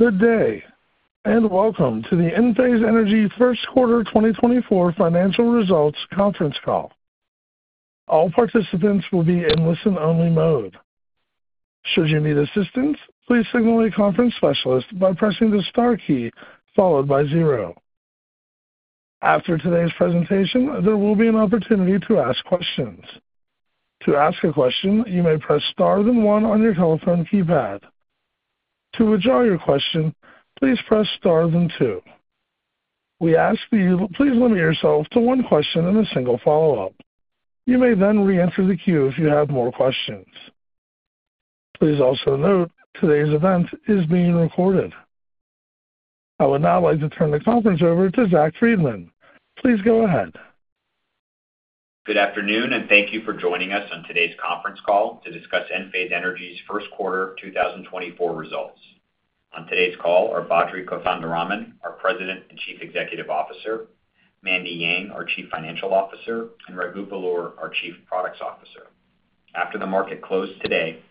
Good day and welcome to the Enphase Energy First Quarter 2024 Financial Results Conference Call. All participants will be in listen-only mode. Should you need assistance, please signal a conference specialist by pressing the star key followed by zero. After today's presentation, there will be an opportunity to ask questions. To ask a question, you may press star then one on your telephone keypad. To withdraw your question, please press star then two. We ask that you please limit yourself to one question and a single follow-up. You may then re-enter the queue if you have more questions. Please also note today's event is being recorded. I would now like to turn the conference over to Zach Freedman. Please go ahead. Good afternoon and thank you for joining us on today's conference call to discuss Enphase Energy's First Quarter 2024 Results. On today's call are Badri Kothandaraman, our President and Chief Executive Officer, Mandy Yang, our Chief Financial Officer, and Raghu Belur, our Chief Products Officer. After the market closed today,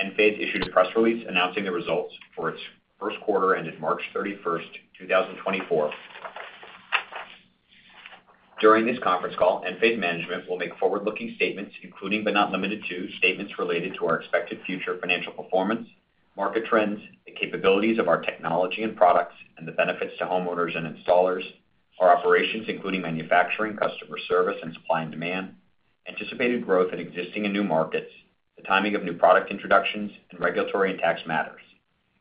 Enphase issued a press release announcing the results for its first quarter ended March 31st, 2024. During this conference call, Enphase management will make forward-looking statements including but not limited to statements related to our expected future financial performance, market trends, the capabilities of our technology and products, and the benefits to homeowners and installers, our operations including manufacturing, customer service, and supply and demand, anticipated growth in existing and new markets, the timing of new product introductions, and regulatory and tax matters.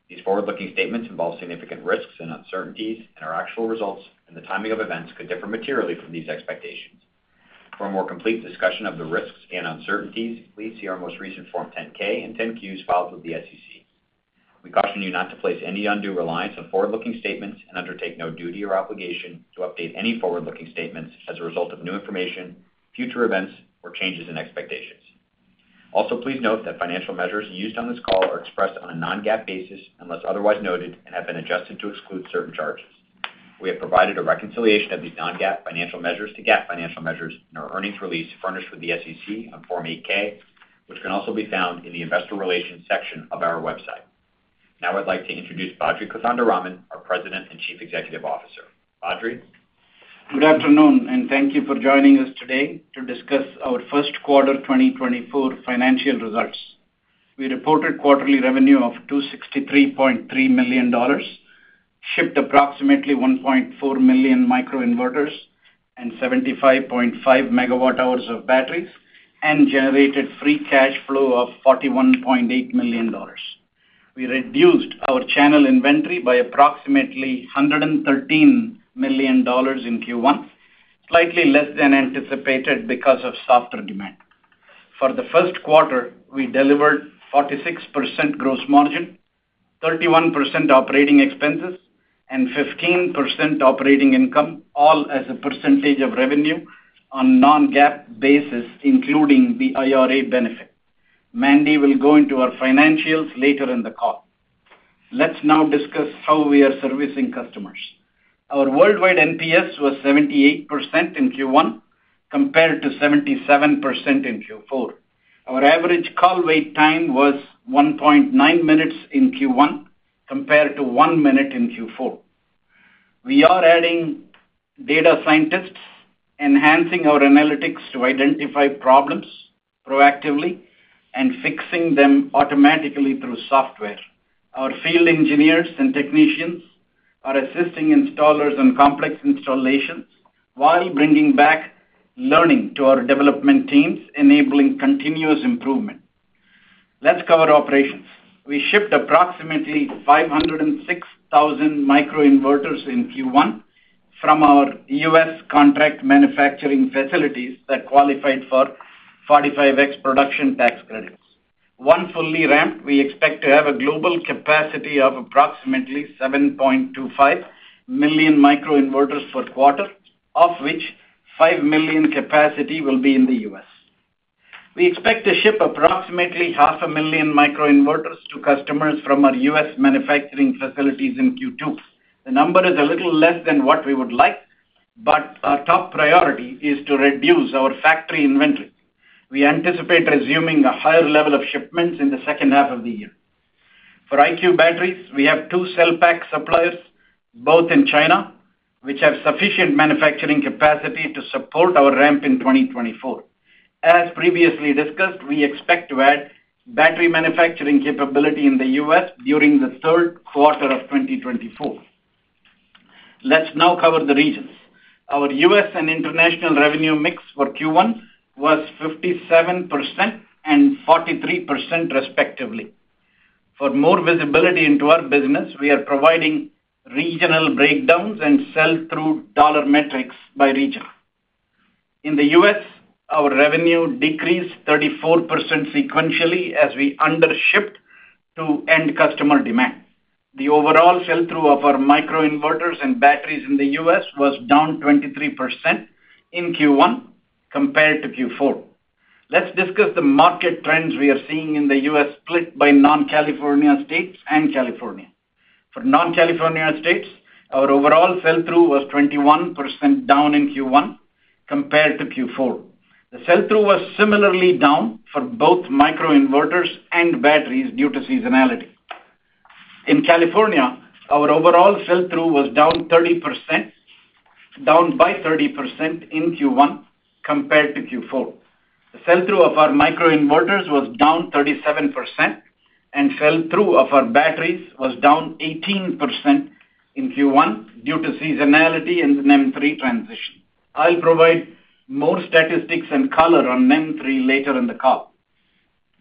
These forward-looking statements involve significant risks and uncertainties and our actual results and the timing of events could differ materially from these expectations. For a more complete discussion of the risks and uncertainties, please see our most recent Form 10-K and 10-Qs filed with the SEC. We caution you not to place any undue reliance on forward-looking statements and undertake no duty or obligation to update any forward-looking statements as a result of new information, future events, or changes in expectations. Also, please note that financial measures used on this call are expressed on a non-GAAP basis unless otherwise noted and have been adjusted to exclude certain charges. We have provided a reconciliation of these non-GAAP financial measures to GAAP financial measures in our earnings release furnished with the SEC on Form 8-K, which can also be found in the investor relations section of our website. Now I'd like to introduce Badri Kothandaraman, our President and Chief Executive Officer. Badri? Good afternoon and thank you for joining us today to discuss our first quarter 2024 financial results. We reported quarterly revenue of $263.3 million, shipped approximately 1.4 million microinverters and 75.5 MWh of batteries, and generated free cash flow of $41.8 million. We reduced our channel inventory by approximately $113 million in Q1, slightly less than anticipated because of softer demand. For the first quarter, we delivered 46% gross margin, 31% operating expenses, and 15% operating income, all as a percentage of revenue on non-GAAP basis including the IRA benefit. Mandy will go into our financials later in the call. Let's now discuss how we are servicing customers. Our worldwide NPS was 78% in Q1 compared to 77% in Q4. Our average call wait time was 1.9 minutes in Q1 compared to 1 minute in Q4. We are adding data scientists, enhancing our analytics to identify problems proactively and fixing them automatically through software. Our field engineers and technicians are assisting installers on complex installations while bringing back learning to our development teams, enabling continuous improvement. Let's cover operations. We shipped approximately 506,000 microinverters in Q1 from our U.S. contract manufacturing facilities that qualified for 45X production tax credits. Once fully ramped, we expect to have a global capacity of approximately 7.25 million microinverters per quarter, of which 5 million capacity will be in the U.S. We expect to ship approximately 500,000 microinverters to customers from our U.S. manufacturing facilities in Q2. The number is a little less than what we would like, but our top priority is to reduce our factory inventory. We anticipate resuming a higher level of shipments in the second half of the year. For IQ batteries, we have two cell pack suppliers both in China, which have sufficient manufacturing capacity to support our ramp in 2024. As previously discussed, we expect to add battery manufacturing capability in the U.S. during the third quarter of 2024. Let's now cover the regions. Our U.S. and international revenue mix for Q1 was 57% and 43% respectively. For more visibility into our business, we are providing regional breakdowns and sell-through dollar metrics by region. In the U.S., our revenue decreased 34% sequentially as we undershipped to end customer demand. The overall sell-through of our microinverters and batteries in the U.S. was down 23% in Q1 compared to Q4. Let's discuss the market trends we are seeing in the U.S. split by non-California states and California. For non-California states, our overall sell-through was 21% down in Q1 compared to Q4. The sell-through was similarly down for both microinverters and batteries due to seasonality. In California, our overall sell-through was down 30%, down by 30% in Q1 compared to Q4. The sell-through of our microinverters was down 37% and sell-through of our batteries was down 18% in Q1 due to seasonality in the NEM3 transition. I'll provide more statistics and color on NEM3 later in the call.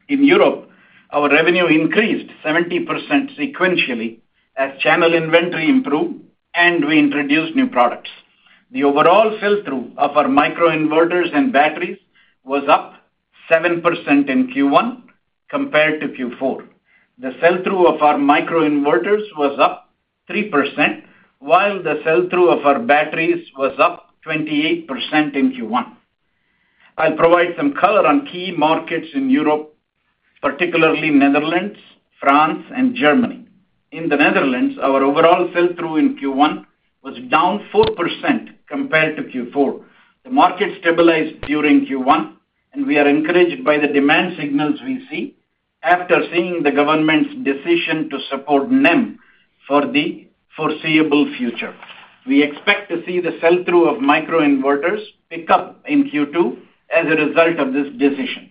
In Europe, our revenue increased 70% sequentially as channel inventory improved and we introduced new products. The overall sell-through of our microinverters and batteries was up 7% in Q1 compared to Q4. The sell-through of our microinverters was up 3% while the sell-through of our batteries was up 28% in Q1. I'll provide some color on key markets in Europe, particularly Netherlands, France, and Germany. In the Netherlands, our overall sell-through in Q1 was down 4% compared to Q4. The market stabilized during Q1 and we are encouraged by the demand signals we see after seeing the government's decision to support NEM for the foreseeable future. We expect to see the sell-through of microinverters pick up in Q2 as a result of this decision.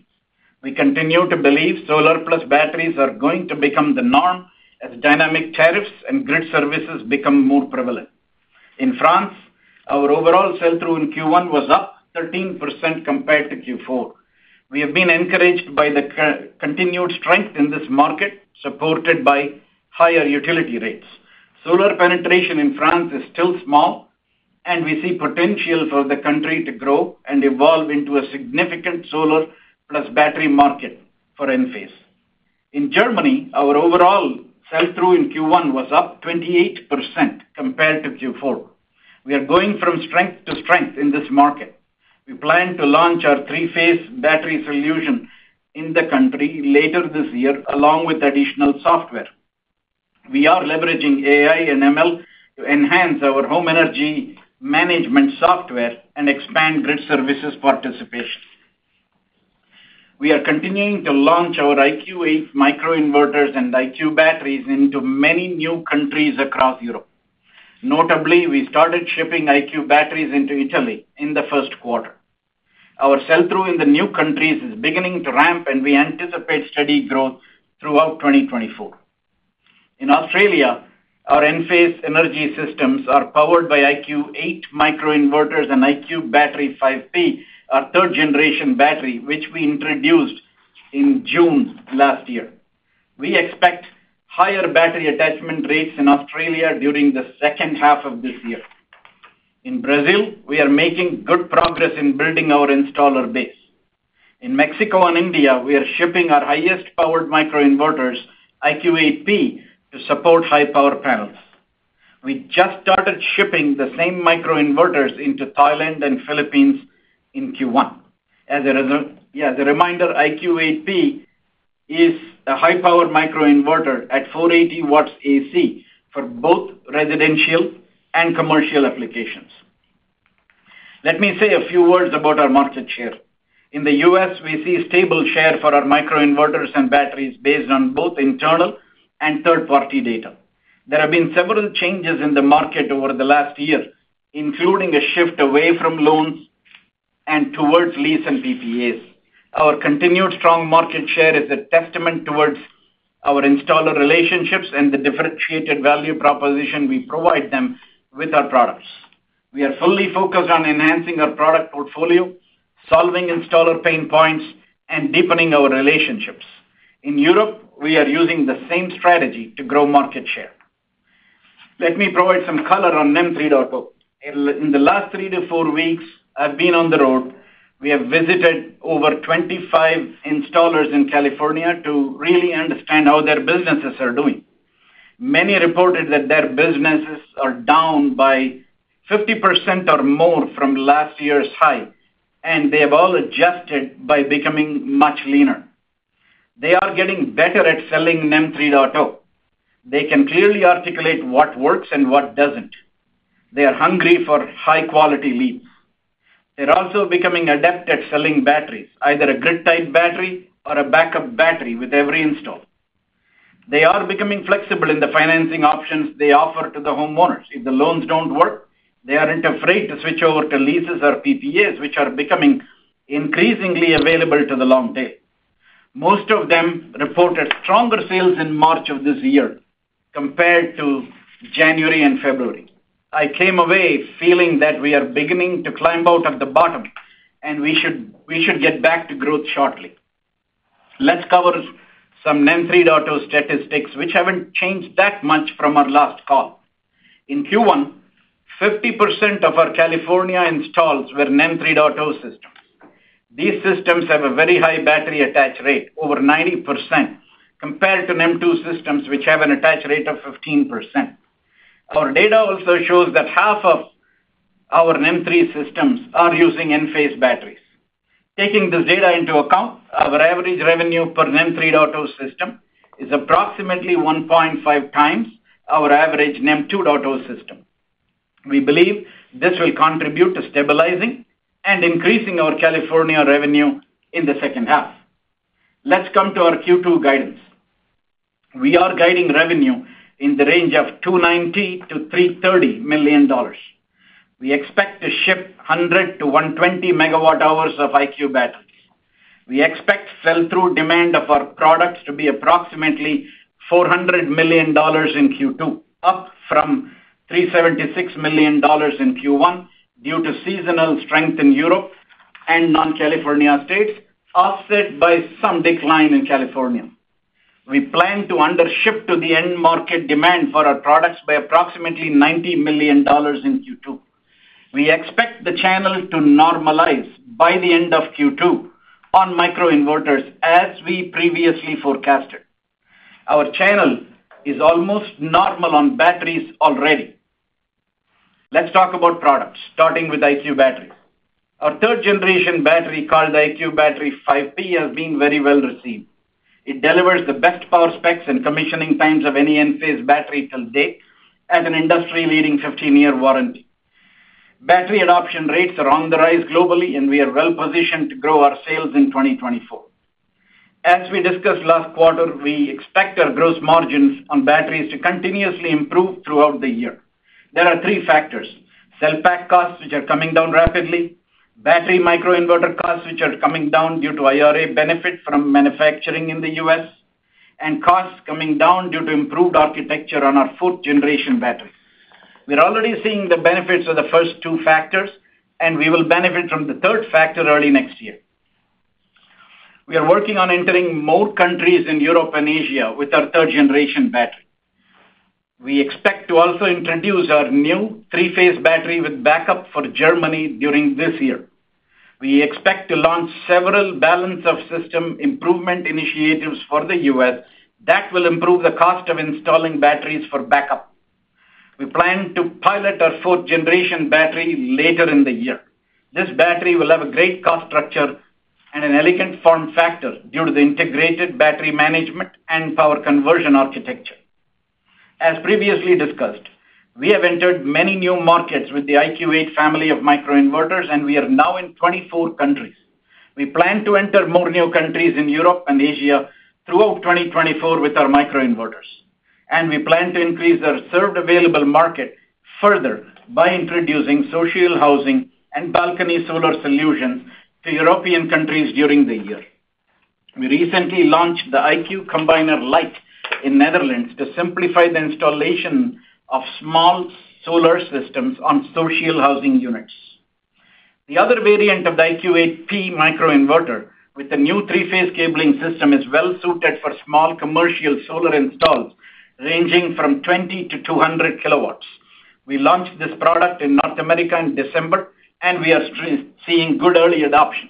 We continue to believe solar plus batteries are going to become the norm as dynamic tariffs and grid services become more prevalent. In France, our overall sell-through in Q1 was up 13% compared to Q4. We have been encouraged by the continued strength in this market supported by higher utility rates. Solar penetration in France is still small and we see potential for the country to grow and evolve into a significant solar plus battery market for Enphase. In Germany, our overall sell-through in Q1 was up 28% compared to Q4. We are going from strength to strength in this market. We plan to launch our three-phase battery solution in the country later this year along with additional software. We are leveraging AI and ML to enhance our home energy management software and expand grid services participation. We are continuing to launch our IQ8 microinverters and IQ batteries into many new countries across Europe. Notably, we started shipping IQ batteries into Italy in the first quarter. Our sell-through in the new countries is beginning to ramp and we anticipate steady growth throughout 2024. In Australia, our Enphase Energy systems are powered by IQ8 microinverters and IQ Battery 5P, our third generation battery which we introduced in June last year. We expect higher battery attachment rates in Australia during the second half of this year. In Brazil, we are making good progress in building our installer base. In Mexico and India, we are shipping our highest-powered microinverters IQ8P to support high-power panels. We just started shipping the same microinverters into Thailand and Philippines in Q1. As a reminder, IQ8P is a high-power microinverter at 480 W for both residential and commercial applications. Let me say a few words about our market share. In the U.S., we see stable share for our microinverters and batteries based on both internal and third-party data. There have been several changes in the market over the last year including a shift away from loans and towards lease and PPAs. Our continued strong market share is a testament towards our installer relationships and the differentiated value proposition we provide them with our products. We are fully focused on enhancing our product portfolio, solving installer pain points, and deepening our relationships. In Europe, we are using the same strategy to grow market share. Let me provide some color on NEM 3.0. In the last three-four weeks, I've been on the road. We have visited over 25 installers in California to really understand how their businesses are doing. Many reported that their businesses are down by 50% or more from last year's high and they have all adjusted by becoming much leaner. They are getting better at selling NEM 3.0. They can clearly articulate what works and what doesn't. They are hungry for high quality leads. They're also becoming adept at selling batteries, either a grid-type battery or a backup battery with every install. They are becoming flexible in the financing options they offer to the homeowners. If the loans don't work, they aren't afraid to switch over to leases or PPAs which are becoming increasingly available to the long tail. Most of them reported stronger sales in March of this year compared to January and February. I came away feeling that we are beginning to climb out of the bottom and we should get back to growth shortly. Let's cover some NEM 3.0 statistics which haven't changed that much from our last call. In Q1, 50% of our California installs were NEM 3.0 systems. These systems have a very high battery attach rate over 90% compared to NEM 2.0 systems which have an attach rate of 15%. Our data also shows that half of our NEM 3.0 systems are using Enphase batteries. Taking this data into account, our average revenue per NEM 3.0 system is approximately 1.5 times our average NEM 2.0 system. We believe this will contribute to stabilizing and increasing our California revenue in the second half. Let's come to our Q2 guidance. We are guiding revenue in the range of $290 million-$330 million. We expect to ship 100-120 MWh of IQ Batteries. We expect sell-through demand of our products to be approximately $400 million in Q2, up from $376 million in Q1 due to seasonal strength in Europe and non-California states offset by some decline in California. We plan to undership to the end market demand for our products by approximately $90 million in Q2. We expect the channel to normalize by the end of Q2 on microinverters as we previously forecasted. Our channel is almost normal on batteries already. Let's talk about products starting with IQ Batteries. Our third generation battery called the IQ Battery 5P has been very well received. It delivers the best power specs and commissioning times of any Enphase battery till date and an industry-leading 15-year warranty. Battery adoption rates are on the rise globally and we are well positioned to grow our sales in 2024. As we discussed last quarter, we expect our gross margins on batteries to continuously improve throughout the year. There are three factors: cell pack costs which are coming down rapidly, battery microinverter costs which are coming down due to IRA benefit from manufacturing in the U.S., and costs coming down due to improved architecture on our fourth generation battery. We are already seeing the benefits of the first two factors and we will benefit from the third factor early next year. We are working on entering more countries in Europe and Asia with our third generation battery. We expect to also introduce our new three-phase battery with backup for Germany during this year. We expect to launch several balance of system improvement initiatives for the U.S. that will improve the cost of installing batteries for backup. We plan to pilot our fourth generation battery later in the year. This battery will have a great cost structure and an elegant form factor due to the integrated battery management and power conversion architecture. As previously discussed, we have entered many new markets with the IQ8 family of microinverters and we are now in 24 countries. We plan to enter more new countries in Europe and Asia throughout 2024 with our microinverters. We plan to increase our served available market further by introducing social housing and balcony solar solutions to European countries during the year. We recently launched the IQ Combiner Lite in Netherlands to simplify the installation of small solar systems on social housing units. The other variant of the IQ8P microinverter with the new three-phase cabling system is well suited for small commercial solar installs ranging from 20-200 kW. We launched this product in North America in December and we are seeing good early adoption.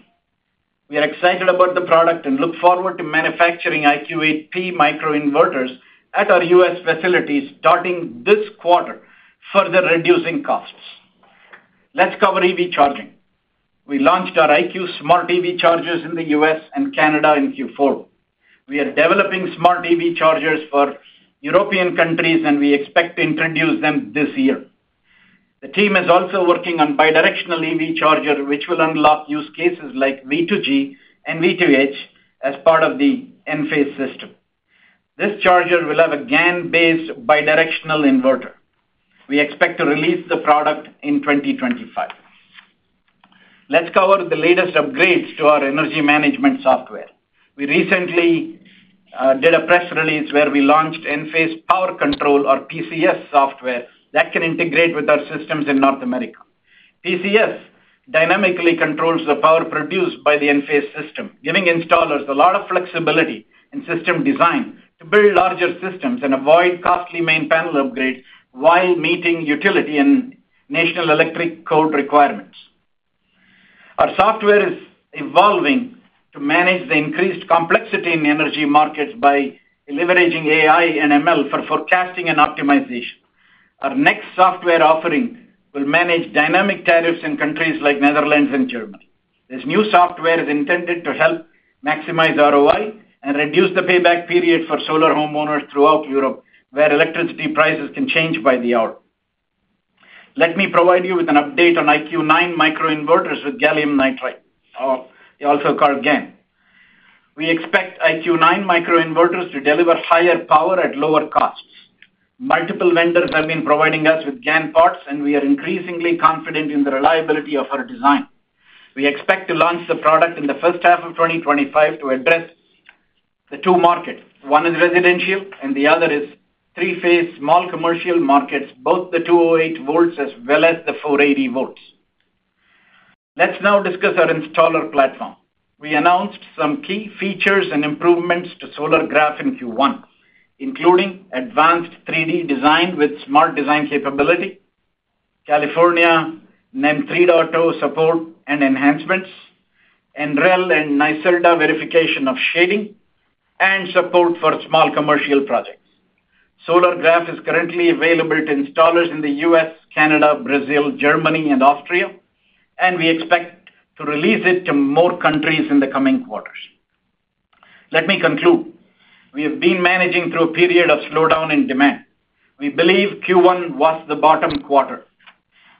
We are excited about the product and look forward to manufacturing IQ8P microinverters at our U.S. facilities starting this quarter further reducing costs. Let's cover EV charging. We launched our IQ Smart EV chargers in the U.S. and Canada in Q4. We are developing Smart EV chargers for European countries and we expect to introduce them this year. The team is also working on bidirectional EV charger which will unlock use cases like V2G and V2H as part of the Enphase system. This charger will have a GaN-based bidirectional inverter. We expect to release the product in 2025. Let's cover the latest upgrades to our energy management software. We recently did a press release where we launched Enphase Power Control or PCS software that can integrate with our systems in North America. PCS dynamically controls the power produced by the Enphase system, giving installers a lot of flexibility in system design to build larger systems and avoid costly main panel upgrades while meeting utility and national electric code requirements. Our software is evolving to manage the increased complexity in energy markets by leveraging AI and ML for forecasting and optimization. Our next software offering will manage dynamic tariffs in countries like Netherlands and Germany. This new software is intended to help maximize ROI and reduce the payback period for solar homeowners throughout Europe where electricity prices can change by the hour. Let me provide you with an update on IQ9 microinverters with gallium nitride or also called GaN. We expect IQ9 microinverters to deliver higher power at lower costs. Multiple vendors have been providing us with GaN parts and we are increasingly confident in the reliability of our design. We expect to launch the product in the first half of 2025 to address the two markets. One is residential and the other is three-phase small commercial markets both the 208 volts as well as the 480 volts. Let's now discuss our installer platform. We announced some key features and improvements to Solargraf in Q1 including advanced 3D design with smart design capability, California NEM 3.0 support and enhancements, NREL and NYSERDA verification of shading, and support for small commercial projects. Solargraf is currently available to installers in the U.S., Canada, Brazil, Germany, and Austria and we expect to release it to more countries in the coming quarters. Let me conclude. We have been managing through a period of slowdown in demand. We believe Q1 was the bottom quarter.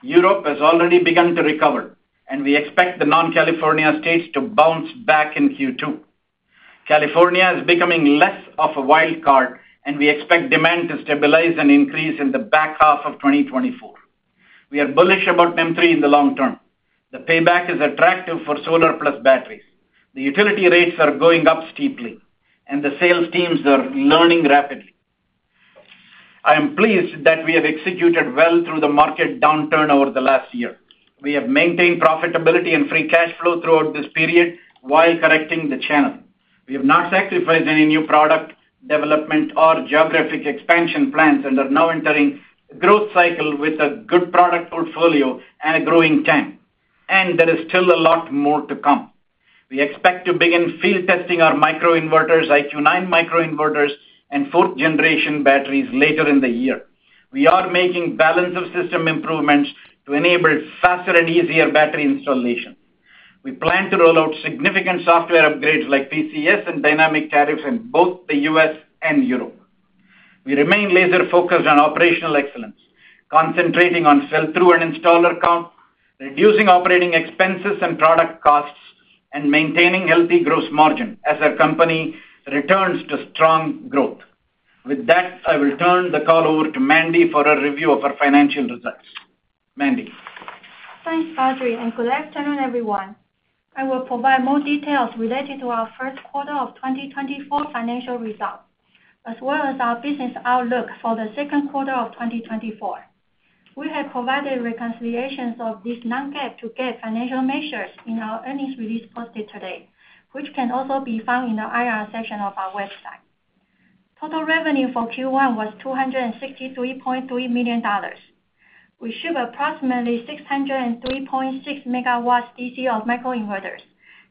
Europe has already begun to recover and we expect the non-California states to bounce back in Q2. California is becoming less of a wild card and we expect demand to stabilize and increase in the back half of 2024. We are bullish about NEM3 in the long term. The payback is attractive for solar plus batteries. The utility rates are going up steeply and the sales teams are learning rapidly. I am pleased that we have executed well through the market downturn over the last year. We have maintained profitability and free cash flow throughout this period while correcting the channel. We have not sacrificed any new product development or geographic expansion plans and are now entering a growth cycle with a good product portfolio and a growing TAM. There is still a lot more to come. We expect to begin field testing our IQ9 microinverters and fourth generation batteries later in the year. We are making balance of system improvements to enable faster and easier battery installation. We plan to roll out significant software upgrades like PCS and dynamic tariffs in both the U.S. and Europe. We remain laser focused on operational excellence concentrating on sell-through and installer count, reducing operating expenses and product costs, and maintaining healthy gross margin as our company returns to strong growth. With that, I will turn the call over to Mandy for a review of our financial results. Mandy. Thanks, Badri, and good afternoon everyone. I will provide more details related to our first quarter of 2024 financial results as well as our business outlook for the second quarter of 2024. We have provided reconciliations of these non-GAAP to GAAP financial measures in our earnings release posted today, which can also be found in the IR section of our website. Total revenue for Q1 was $263.3 million. We shipped approximately 603.6 MW DC of microinverters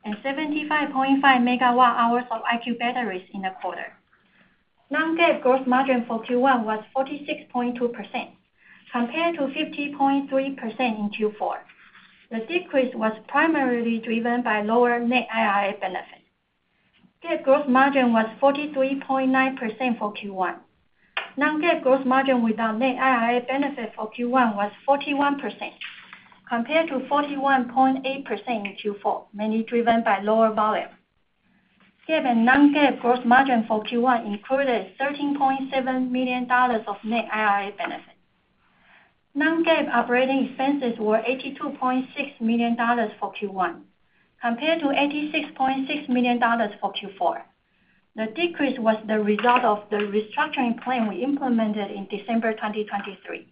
and 75.5 MWh of IQ batteries in the quarter. Non-GAAP gross margin for Q1 was 46.2% compared to 50.3% in Q4. The decrease was primarily driven by lower net IRA benefit. GAAP gross margin was 43.9% for Q1. Non-GAAP gross margin without net IRA benefit for Q1 was 41% compared to 41.8% in Q4, mainly driven by lower volume. GAAP and non-GAAP gross margin for Q1 included $13.7 million of net IRA benefit. Non-GAAP operating expenses were $82.6 million for Q1 compared to $86.6 million for Q4. The decrease was the result of the restructuring plan we implemented in December 2023.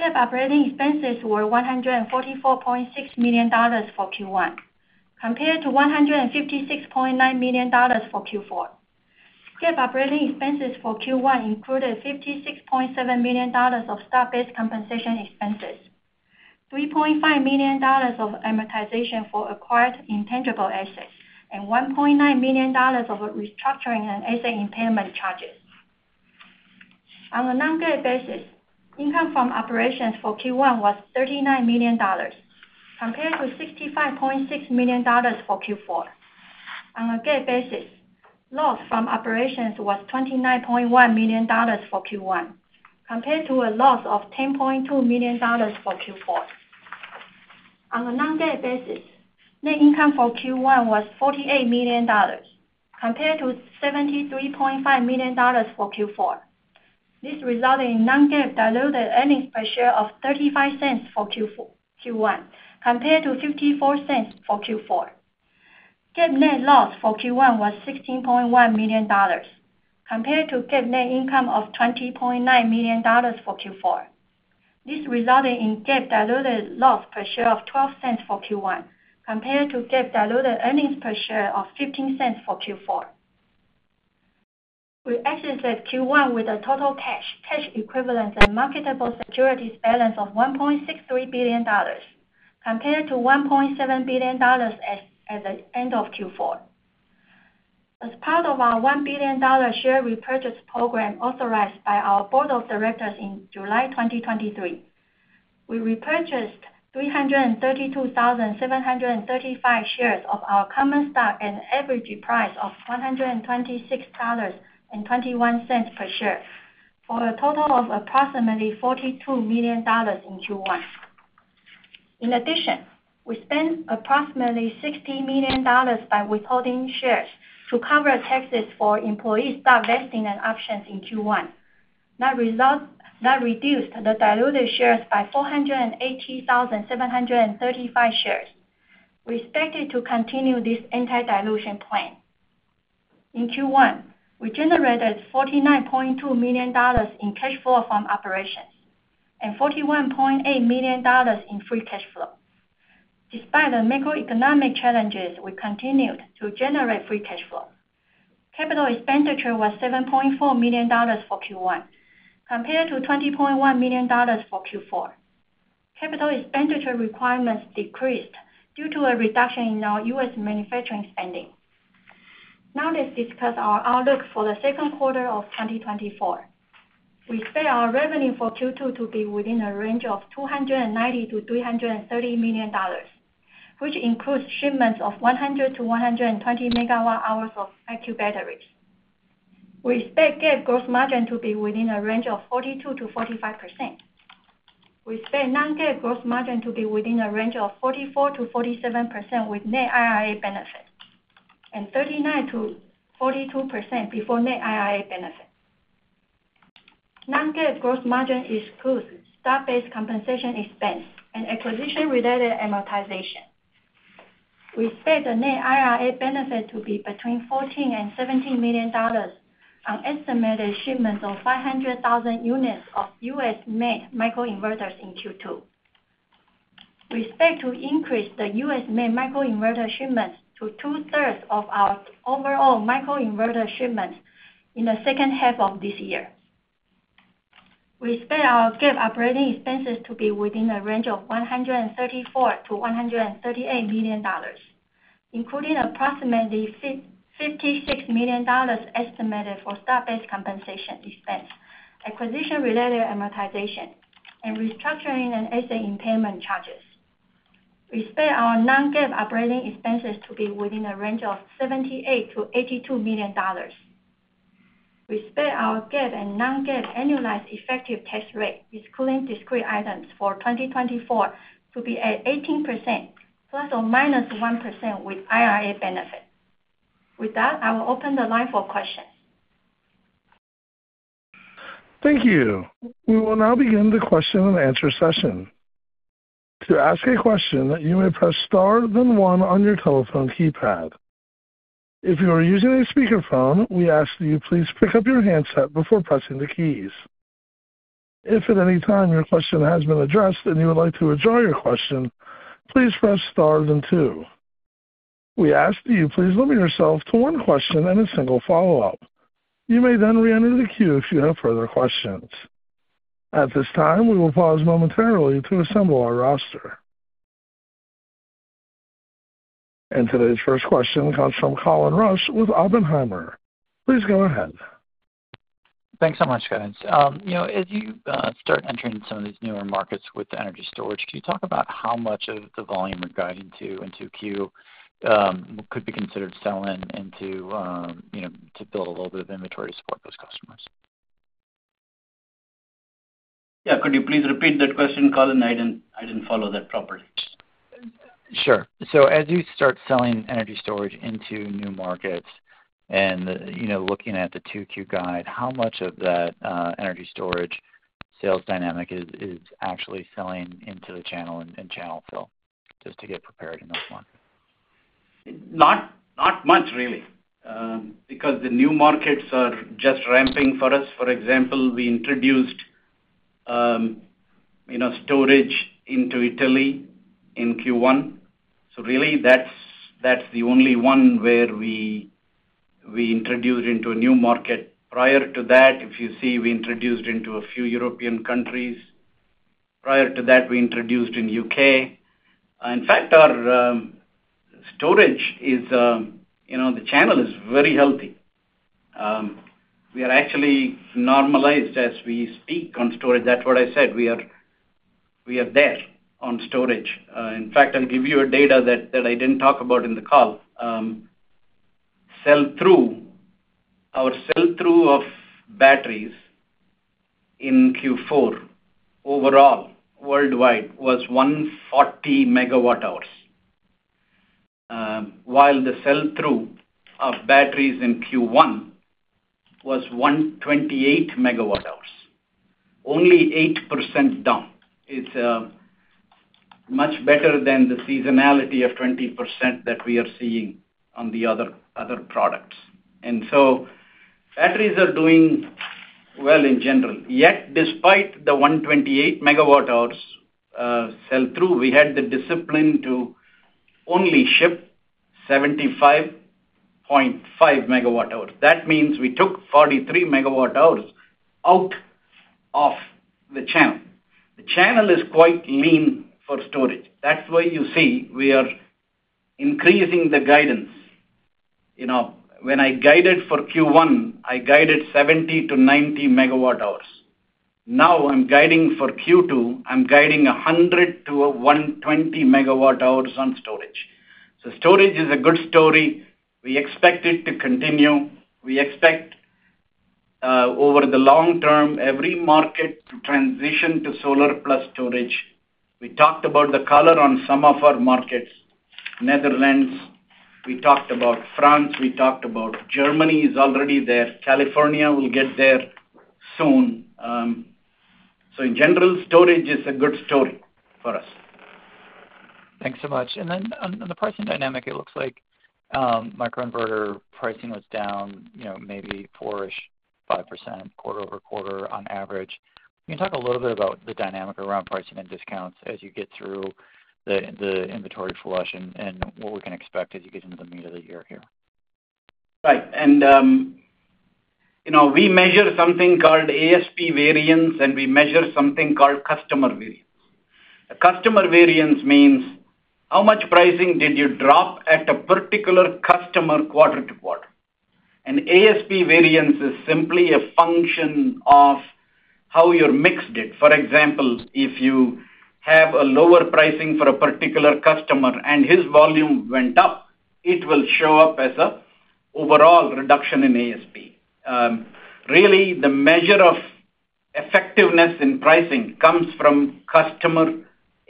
GAAP operating expenses were $144.6 million for Q1 compared to $156.9 million for Q4. GAAP operating expenses for Q1 included $56.7 million of stock-based compensation expenses, $3.5 million of amortization for acquired intangible assets, and $1.9 million of restructuring and asset impairment charges. On a non-GAAP basis, income from operations for Q1 was $39 million compared to $65.6 million for Q4. On a GAAP basis, loss from operations was $29.1 million for Q1 compared to a loss of $10.2 million for Q4. On a non-GAAP basis, net income for Q1 was $48 million compared to $73.5 million for Q4. This resulted in non-GAAP diluted earnings per share of $0.35 for Q1 compared to $0.54 for Q4. GAAP net loss for Q1 was $16.1 million compared to GAAP net income of $20.9 million for Q4. This resulted in GAAP diluted loss per share of $0.12 for Q1 compared to GAAP diluted earnings per share of $0.15 for Q4. We exited Q1 with a total cash, cash equivalents, and marketable securities balance of $1.63 billion compared to $1.7 billion at the end of Q4. As part of our $1 billion share repurchase program authorized by our board of directors in July 2023, we repurchased 332,735 shares of our common stock at an average price of $126.21 per share for a total of approximately $42 million in Q1. In addition, we spent approximately $60 million by withholding shares to cover taxes for employee stock vesting and options in Q1. That reduced the diluted shares by 480,735 shares expected to continue this anti-dilution plan. In Q1, we generated $49.2 million in cash flow from operations and $41.8 million in free cash flow. Despite the macroeconomic challenges, we continued to generate free cash flow. CapEx was $7.4 million for Q1 compared to $20.1 million for Q4. CapEx requirements decreased due to a reduction in our U.S. manufacturing spending. Now let's discuss our outlook for the second quarter of 2024. We expect our revenue for Q2 to be within a range of $290-$330 million which includes shipments of 100-120 MWh of IQ batteries. We expect GAAP gross margin to be within a range of 42%-45%. We expect non-GAAP gross margin to be within a range of 44%-47% with net IRA benefit and 39%-42% before net IRA benefit. Non-GAAP gross margin excludes stock-based compensation expense and acquisition-related amortization. We expect the net IRA benefit to be between $14-$17 million on estimated shipments of 500,000 units of US-made microinverters in Q2. We expect to increase the US-made microinverter shipments to two-thirds of our overall microinverter shipments in the second half of this year. We expect our GAAP operating expenses to be within a range of $134-$138 million including approximately $56 million estimated for stock-based compensation expense, acquisition-related amortization, and restructuring and asset impairment charges. We expect our non-GAAP operating expenses to be within a range of $78-$82 million. We expect our GAAP and non-GAAP annualized effective tax rate excluding discrete items for 2024 to be at 18% ±1% with IRA benefit. With that, I will open the line for questions. Thank you. We will now begin the question and answer session. To ask a question, you may press star then one on your telephone keypad. If you are using a speakerphone, we ask that you please pick up your handset before pressing the keys. If at any time your question has been addressed and you would like to withdraw your question, please press star then two. We ask that you please limit yourself to one question and a single follow-up. You may then reenter the queue if you have further questions. At this time, we will pause momentarily to assemble our roster. Today's first question comes from Colin Rusch with Oppenheimer. Please go ahead. Thanks so much, Kevin. As you start entering some of these newer markets with energy storage, can you talk about how much of the volume you're guiding into Q could be considered selling into to build a little bit of inventory to support those customers? Yeah. Could you please repeat that question, Colin? I didn't follow that properly. Sure. So as you start selling energy storage into new markets and looking at the 2Q guide, how much of that energy storage sales dynamic is actually selling into the channel and channel fill just to get prepared in those markets? Not much really because the new markets are just ramping for us. For example, we introduced storage into Italy in Q1. So really, that's the only one where we introduced into a new market. Prior to that, if you see, we introduced into a few European countries. Prior to that, we introduced in UK. In fact, our storage is the channel is very healthy. We are actually normalized as we speak on storage. That's what I said. We are there on storage. In fact, I'll give you a data that I didn't talk about in the call. Our sell-through of batteries in Q4 overall worldwide was 140 MWh while the sell-through of batteries in Q1 was 128 MWh only 8% down. It's much better than the seasonality of 20% that we are seeing on the other products. And so batteries are doing well in general. Yet despite the 128 MWh sell-through, we had the discipline to only ship 75.5 MWh. That means we took 43 MWh out of the channel. The channel is quite lean for storage. That's why you see we are increasing the guidance. When I guided for Q1, I guided 70-90 MWh. Now I'm guiding for Q2, I'm guiding 100-120 MWh on storage. So storage is a good story. We expect it to continue. We expect over the long term, every market to transition to solar plus storage. We talked about the color on some of our markets. Netherlands, we talked about France, we talked about Germany is already there. California will get there soon. So in general, storage is a good story for us. Thanks so much. Then on the pricing dynamic, it looks like microinverter pricing was down maybe 4-ish, 5% quarter-over-quarter on average. Can you talk a little bit about the dynamic around pricing and discounts as you get through the inventory flush and what we can expect as you get into the meat of the year here? Right. We measure something called ASP variance and we measure something called customer variance. Customer variance means how much pricing did you drop at a particular customer quarter to quarter. ASP variance is simply a function of how your mix did. For example, if you have a lower pricing for a particular customer and his volume went up, it will show up as an overall reduction in ASP. Really, the measure of effectiveness in pricing comes from customer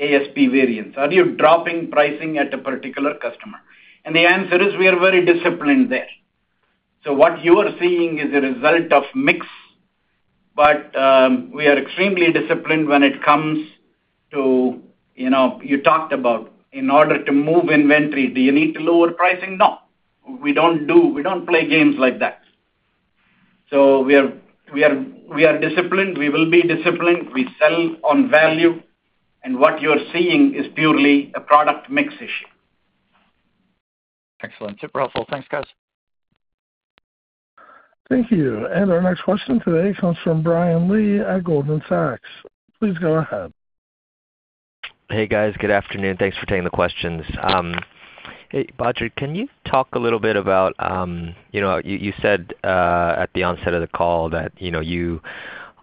ASP variance. Are you dropping pricing at a particular customer? The answer is we are very disciplined there. What you are seeing is a result of mix, but we are extremely disciplined when it comes to you talked about in order to move inventory. Do you need to lower pricing? No. We don't play games like that. We are disciplined. We will be disciplined. We sell on value. What you are seeing is purely a product mix issue. Excellent. Super helpful. Thanks, guys. Thank you. Our next question today comes from Brian Lee at Goldman Sachs. Please go ahead. Hey, guys. Good afternoon. Thanks for taking the questions. Badri, can you talk a little bit about you said at the onset of the call that you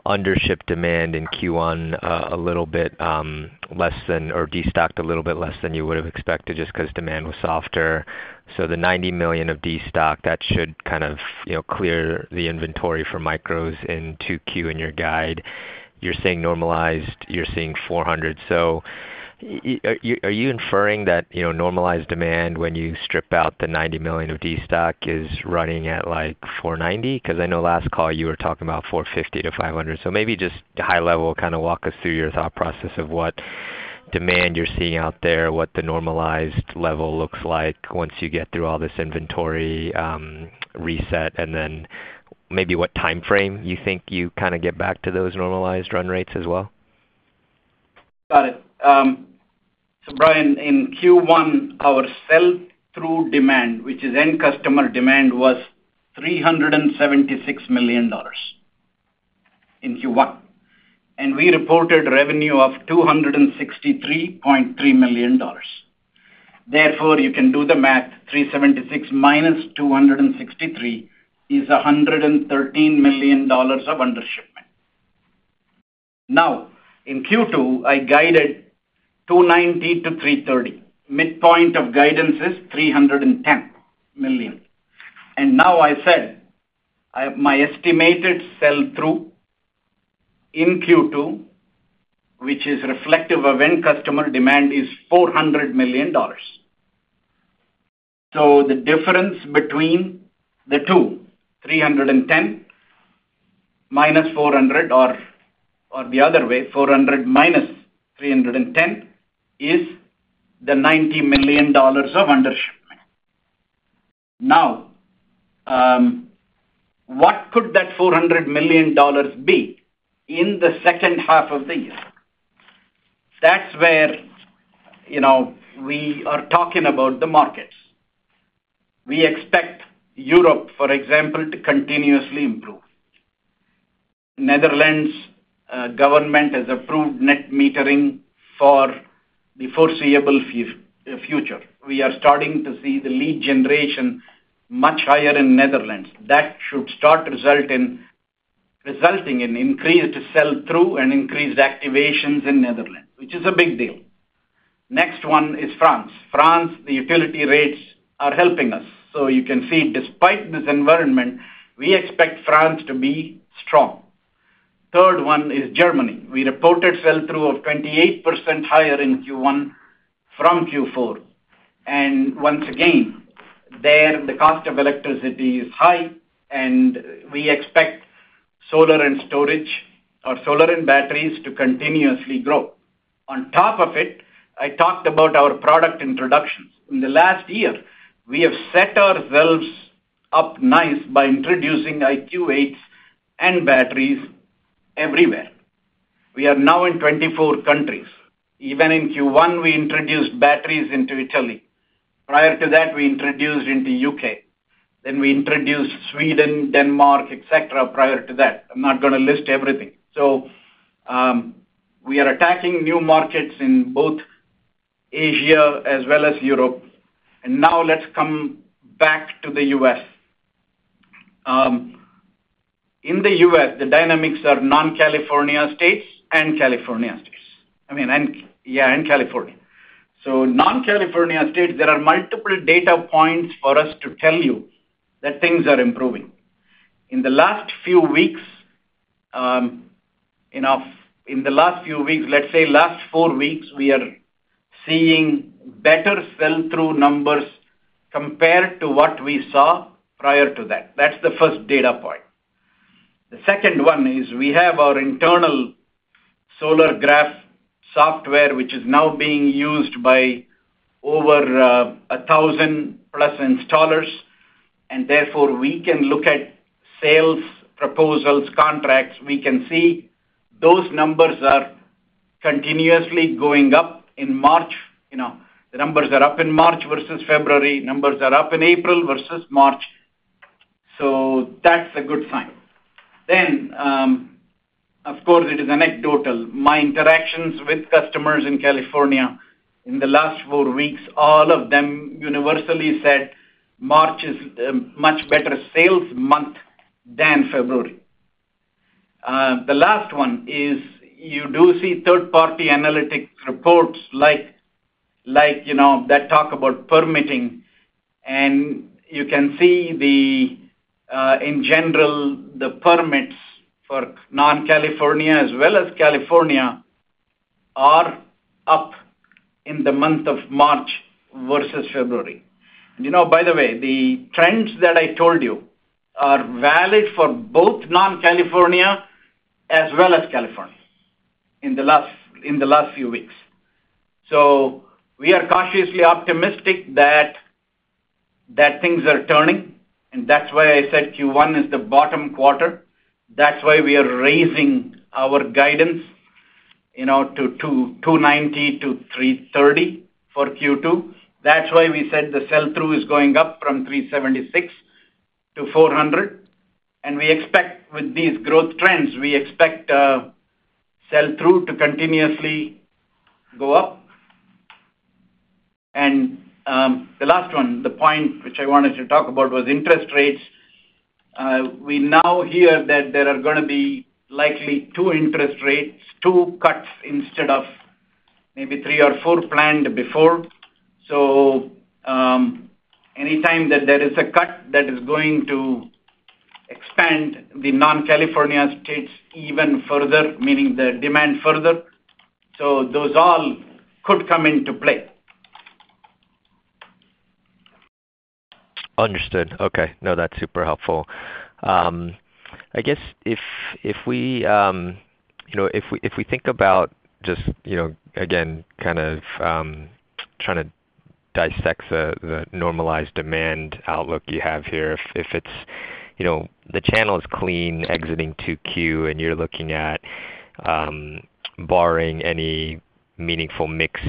undershipped demand in Q1 a little bit less than or destocked a little bit less than you would have expected just because demand was softer. So the $90 million of destock, that should kind of clear the inventory for micros in 2Q in your guide. You're saying normalized. You're seeing $400 million. So are you inferring that normalized demand when you strip out the $90 million of destock is running at $490 million? Because I know last call you were talking about $450-$500 million. So maybe just high-level kind of walk us through your thought process of what demand you're seeing out there, what the normalized level looks like once you get through all this inventory reset, and then maybe what time frame you think you kind of get back to those normalized run rates as well? Got it. So Brian, in Q1, our sell-through demand, which is end customer demand, was $376 million in Q1. And we reported revenue of $263.3 million. Therefore, you can do the math. $376 minus $263 is $113 million of undershipment. Now, in Q2, I guided $290 million-$330 million. Midpoint of guidance is $310 million. And now I said my estimated sell-through in Q2, which is reflective of end customer demand, is $400 million. So the difference between the two, 310 minus 400 or the other way, 400 minus 310, is the $90 million of undershipment. Now, what could that $400 million be in the second half of the year? That's where we are talking about the markets. We expect Europe, for example, to continuously improve. Netherlands government has approved net metering for the foreseeable future. We are starting to see the lead generation much higher in Netherlands. That should start resulting in increased sell-through and increased activations in Netherlands, which is a big deal. Next one is France. France, the utility rates are helping us. So you can see despite this environment, we expect France to be strong. Third one is Germany. We reported sell-through of 28% higher in Q1 from Q4. Once again, there, the cost of electricity is high, and we expect solar and storage or solar and batteries to continuously grow. On top of it, I talked about our product introductions. In the last year, we have set ourselves up nice by introducing IQ8s and batteries everywhere. We are now in 24 countries. Even in Q1, we introduced batteries into Italy. Prior to that, we introduced into the UK. Then we introduced Sweden, Denmark, etc., prior to that. I'm not going to list everything. So we are attacking new markets in both Asia as well as Europe. Now let's come back to the U.S. In the U.S., the dynamics are non-California states and California states. I mean, yeah, and California. So non-California states, there are multiple data points for us to tell you that things are improving. In the last few weeks, let's say last four weeks, we are seeing better sell-through numbers compared to what we saw prior to that. That's the first data point. The second one is we have our internal Solargraf software, which is now being used by over 1,000-plus installers. And therefore, we can look at sales proposals, contracts. We can see those numbers are continuously going up in March. The numbers are up in March versus February. Numbers are up in April versus March. So that's a good sign. Then, of course, it is anecdotal. My interactions with customers in California in the last four weeks, all of them universally said March is a much better sales month than February. The last one is you do see third-party analytics reports like that talk about permitting. And you can see in general, the permits for non-California as well as California are up in the month of March versus February. And by the way, the trends that I told you are valid for both non-California as well as California in the last few weeks. So we are cautiously optimistic that things are turning. And that's why I said Q1 is the bottom quarter. That's why we are raising our guidance to 290-330 for Q2. That's why we said the sell-through is going up from 376-400. We expect with these growth trends, we expect sell-through to continuously go up. The last one, the point which I wanted to talk about was interest rates. We now hear that there are going to be likely two interest rates, two cuts instead of maybe three or four planned before. So anytime that there is a cut that is going to expand the non-California states even further, meaning the demand further, so those all could come into play. Understood. Okay. No, that's super helpful. I guess if we think about just again kind of trying to dissect the normalized demand outlook you have here, if it's the channel is clean exiting 2Q and you're looking at barring any meaningful mix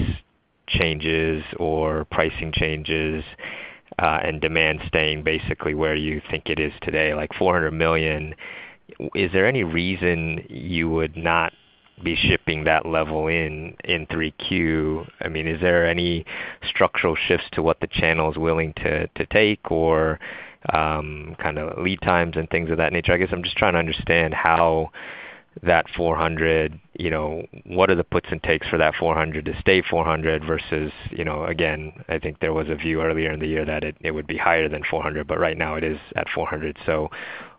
changes or pricing changes and demand staying basically where you think it is today, like $400 million, is there any reason you would not be shipping that level in 3Q? I mean, is there any structural shifts to what the channel is willing to take or kind of lead times and things of that nature? I guess I'm just trying to understand how that $400 million, what are the puts and takes for that $400 million to stay $400 million versus again, I think there was a view earlier in the year that it would be higher than $400 million, but right now it is at $400 million.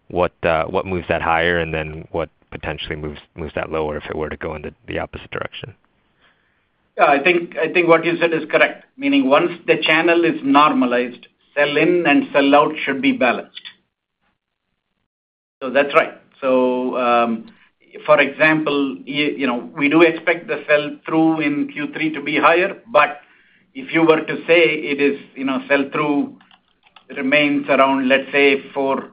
What moves that higher and then what potentially moves that lower if it were to go in the opposite direction? Yeah. I think what you said is correct. Meaning once the channel is normalized, sell-in and sell-out should be balanced. So that's right. So for example, we do expect the sell-through in Q3 to be higher, but if you were to say it is sell-through remains around, let's say, $400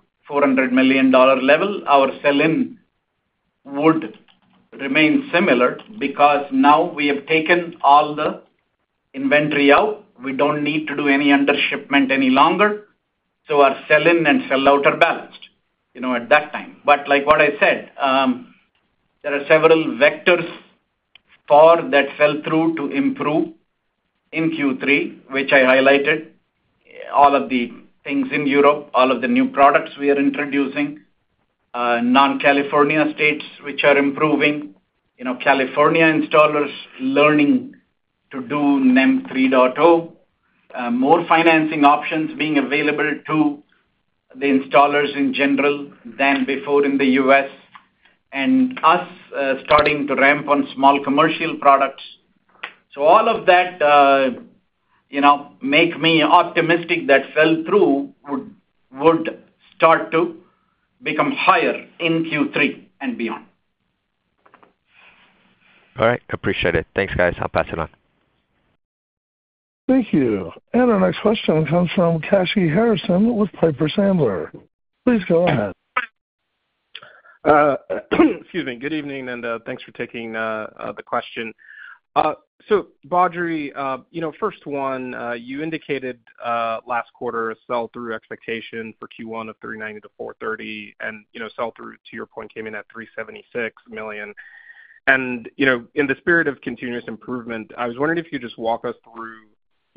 million level, our sell-in would remain similar because now we have taken all the inventory out. We don't need to do any undershipment any longer. So our sell-in and sell-out are balanced at that time. But like what I said, there are several vectors for that sell-through to improve in Q3, which I highlighted. All of the things in Europe, all of the new products we are introducing, non-California states which are improving, California installers learning to do NEM 3.0, more financing options being available to the installers in general than before in the US, and us starting to ramp on small commercial products. So all of that makes me optimistic that sell-through would start to become higher in Q3 and beyond. All right. Appreciate it. Thanks, guys. I'll pass it on. Thank you. Our next question comes from Kashy Harrison with Piper Sandler. Please go ahead. Excuse me. Good evening and thanks for taking the question. So Badri, first one, you indicated last quarter a sell-through expectation for Q1 of $390 million-$430 million and sell-through, to your point, came in at $376 million. And in the spirit of continuous improvement, I was wondering if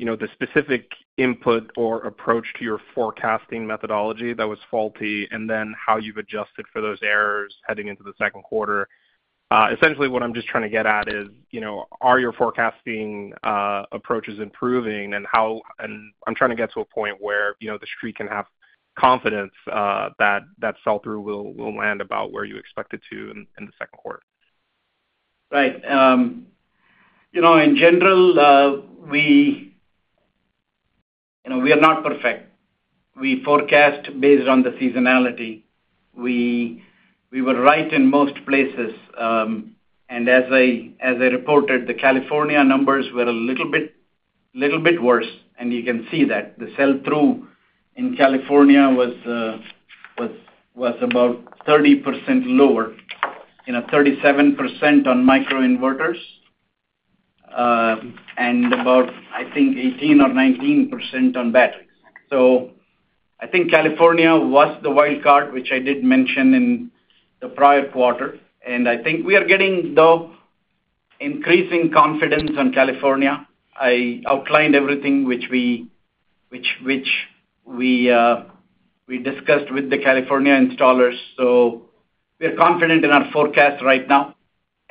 you could just walk us through the specific input or approach to your forecasting methodology that was faulty and then how you've adjusted for those errors heading into the second quarter. Essentially, what I'm just trying to get at is are your forecasting approaches improving and how and I'm trying to get to a point where the street can have confidence that sell-through will land about where you expect it to in the second quarter. Right. In general, we are not perfect. We forecast based on the seasonality. We were right in most places. And as I reported, the California numbers were a little bit worse. And you can see that. The sell-through in California was about 30% lower, 37% on microinverters, and about, I think, 18% or 19% on batteries. So I think California was the wild card, which I did mention in the prior quarter. And I think we are getting, though, increasing confidence on California. I outlined everything which we discussed with the California installers. So we are confident in our forecast right now.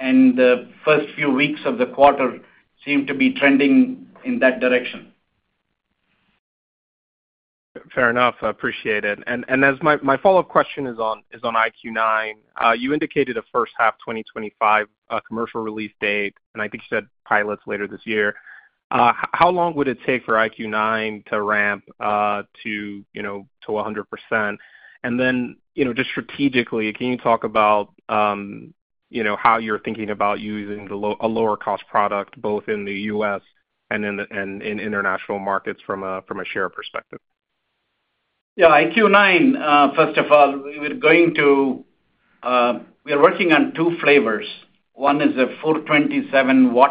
And the first few weeks of the quarter seem to be trending in that direction. Fair enough. Appreciate it. As my follow-up question is on IQ9, you indicated a first half 2025 commercial release date, and I think you said pilots later this year. How long would it take for IQ9 to ramp to 100%? And then just strategically, can you talk about how you're thinking about using a lower-cost product both in the U.S. and in international markets from a share perspective? Yeah. IQ9, first of all, we are working on two flavors. One is a 427 W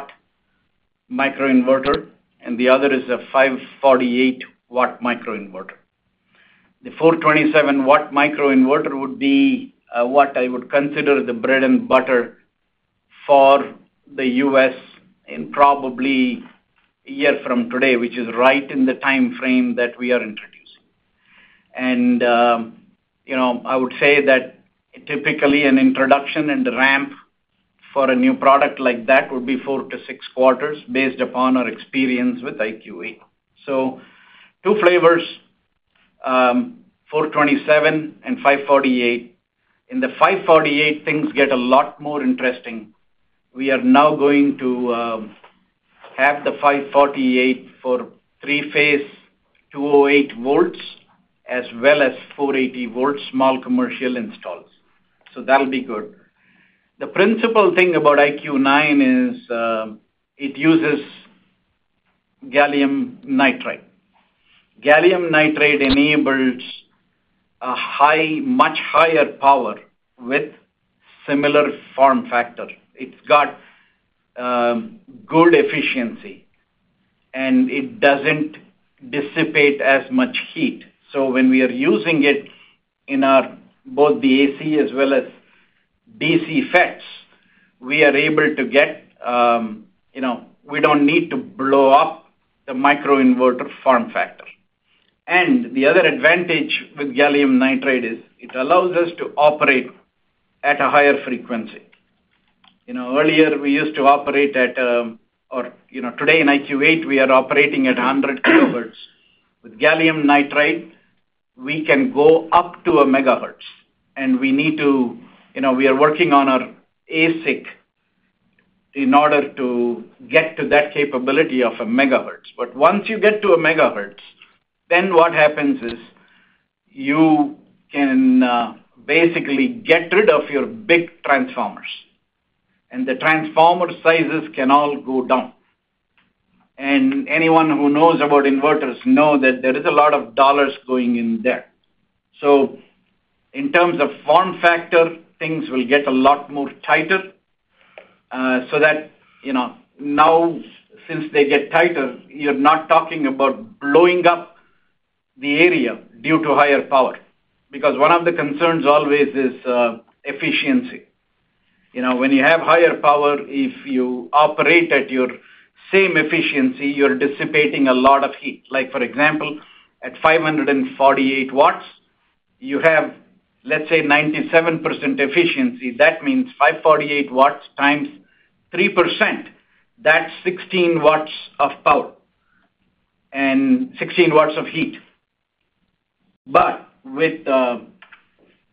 microinverter, and the other is a 548 W microinverter. The 427 W microinverter would be what I would consider the bread and butter for the U.S. in probably a year from today, which is right in the time frame that we are introducing. And I would say that typically, an introduction and a ramp for a new product like that would be four-six quarters based upon our experience with IQ8. So two flavors, 427 and 548. In the 548, things get a lot more interesting. We are now going to have the 548 for three-phase 208 volts as well as 480-volt small commercial installs. So that'll be good. The principal thing about IQ9 is it uses gallium nitride. Gallium nitride enables a much higher power with similar form factor. It's got good efficiency, and it doesn't dissipate as much heat. So when we are using it in both the AC as well as DC FETs, we are able to get we don't need to blow up the microinverter form factor. And the other advantage with gallium nitride is it allows us to operate at a higher frequency. Earlier, we used to operate at a or today in IQ8, we are operating at 100 kHz. With gallium nitride, we can go up to 1 MHz. And we need to we are working on our ASIC in order to get to that capability of 1 MHz. But once you get to 1 MHz, then what happens is you can basically get rid of your big transformers, and the transformer sizes can all go down. And anyone who knows about inverters knows that there is a lot of dollars going in there. So in terms of form factor, things will get a lot more tighter so that now, since they get tighter, you're not talking about blowing up the area due to higher power because one of the concerns always is efficiency. When you have higher power, if you operate at your same efficiency, you're dissipating a lot of heat. For example, at 548 W, you have, let's say, 97% efficiency. That means 548 watts times 3%, that's 16 W of power and 16 W of heat. But with the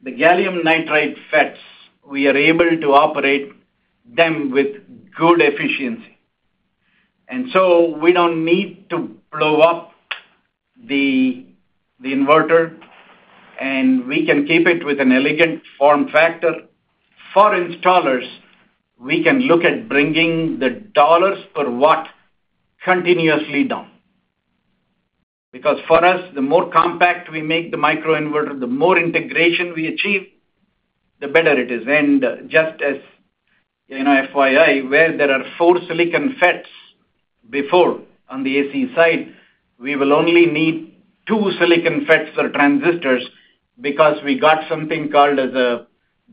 gallium nitride FETs, we are able to operate them with good efficiency. And so we don't need to blow up the inverter, and we can keep it with an elegant form factor. For installers, we can look at bringing the dollars per watt continuously down because for us, the more compact we make the microinverter, the more integration we achieve, the better it is. Just as FYI, where there are four silicon FETs before on the AC side, we will only need two silicon FETs for transistors because we got something called a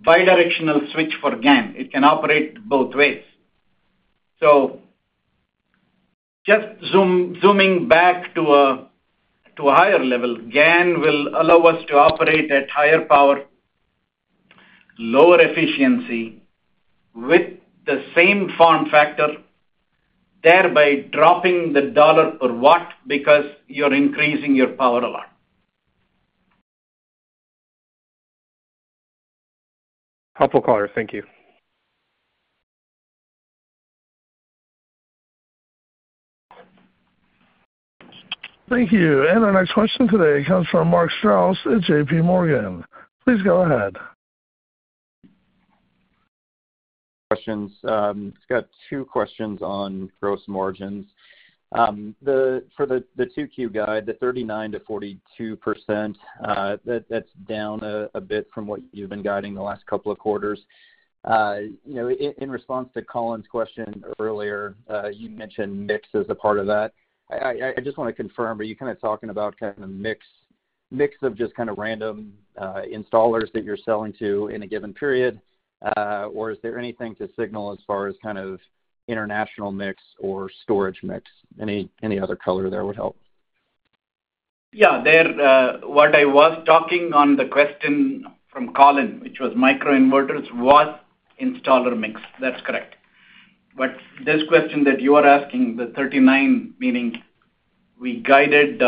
bidirectional switch for GaN. It can operate both ways. Just zooming back to a higher level, GaN will allow us to operate at higher power, lower efficiency with the same form factor, thereby dropping the dollar per watt because you're increasing your power a lot. Helpful caller. Thank you. Thank you. Our next question today comes from Mark Strouse at JPMorgan. Please go ahead. Questions. It's got two questions on gross margins. For the 2Q guide, the 39%-42%, that's down a bit from what you've been guiding the last couple of quarters. In response to Colin's question earlier, you mentioned mix as a part of that. I just want to confirm, are you kind of talking about kind of mix of just kind of random installers that you're selling to in a given period, or is there anything to signal as far as kind of international mix or storage mix? Any other color there would help. Yeah. What I was talking on the question from Colin, which was microinverters, was installer mix. That's correct. But this question that you are asking, the 39, meaning we guided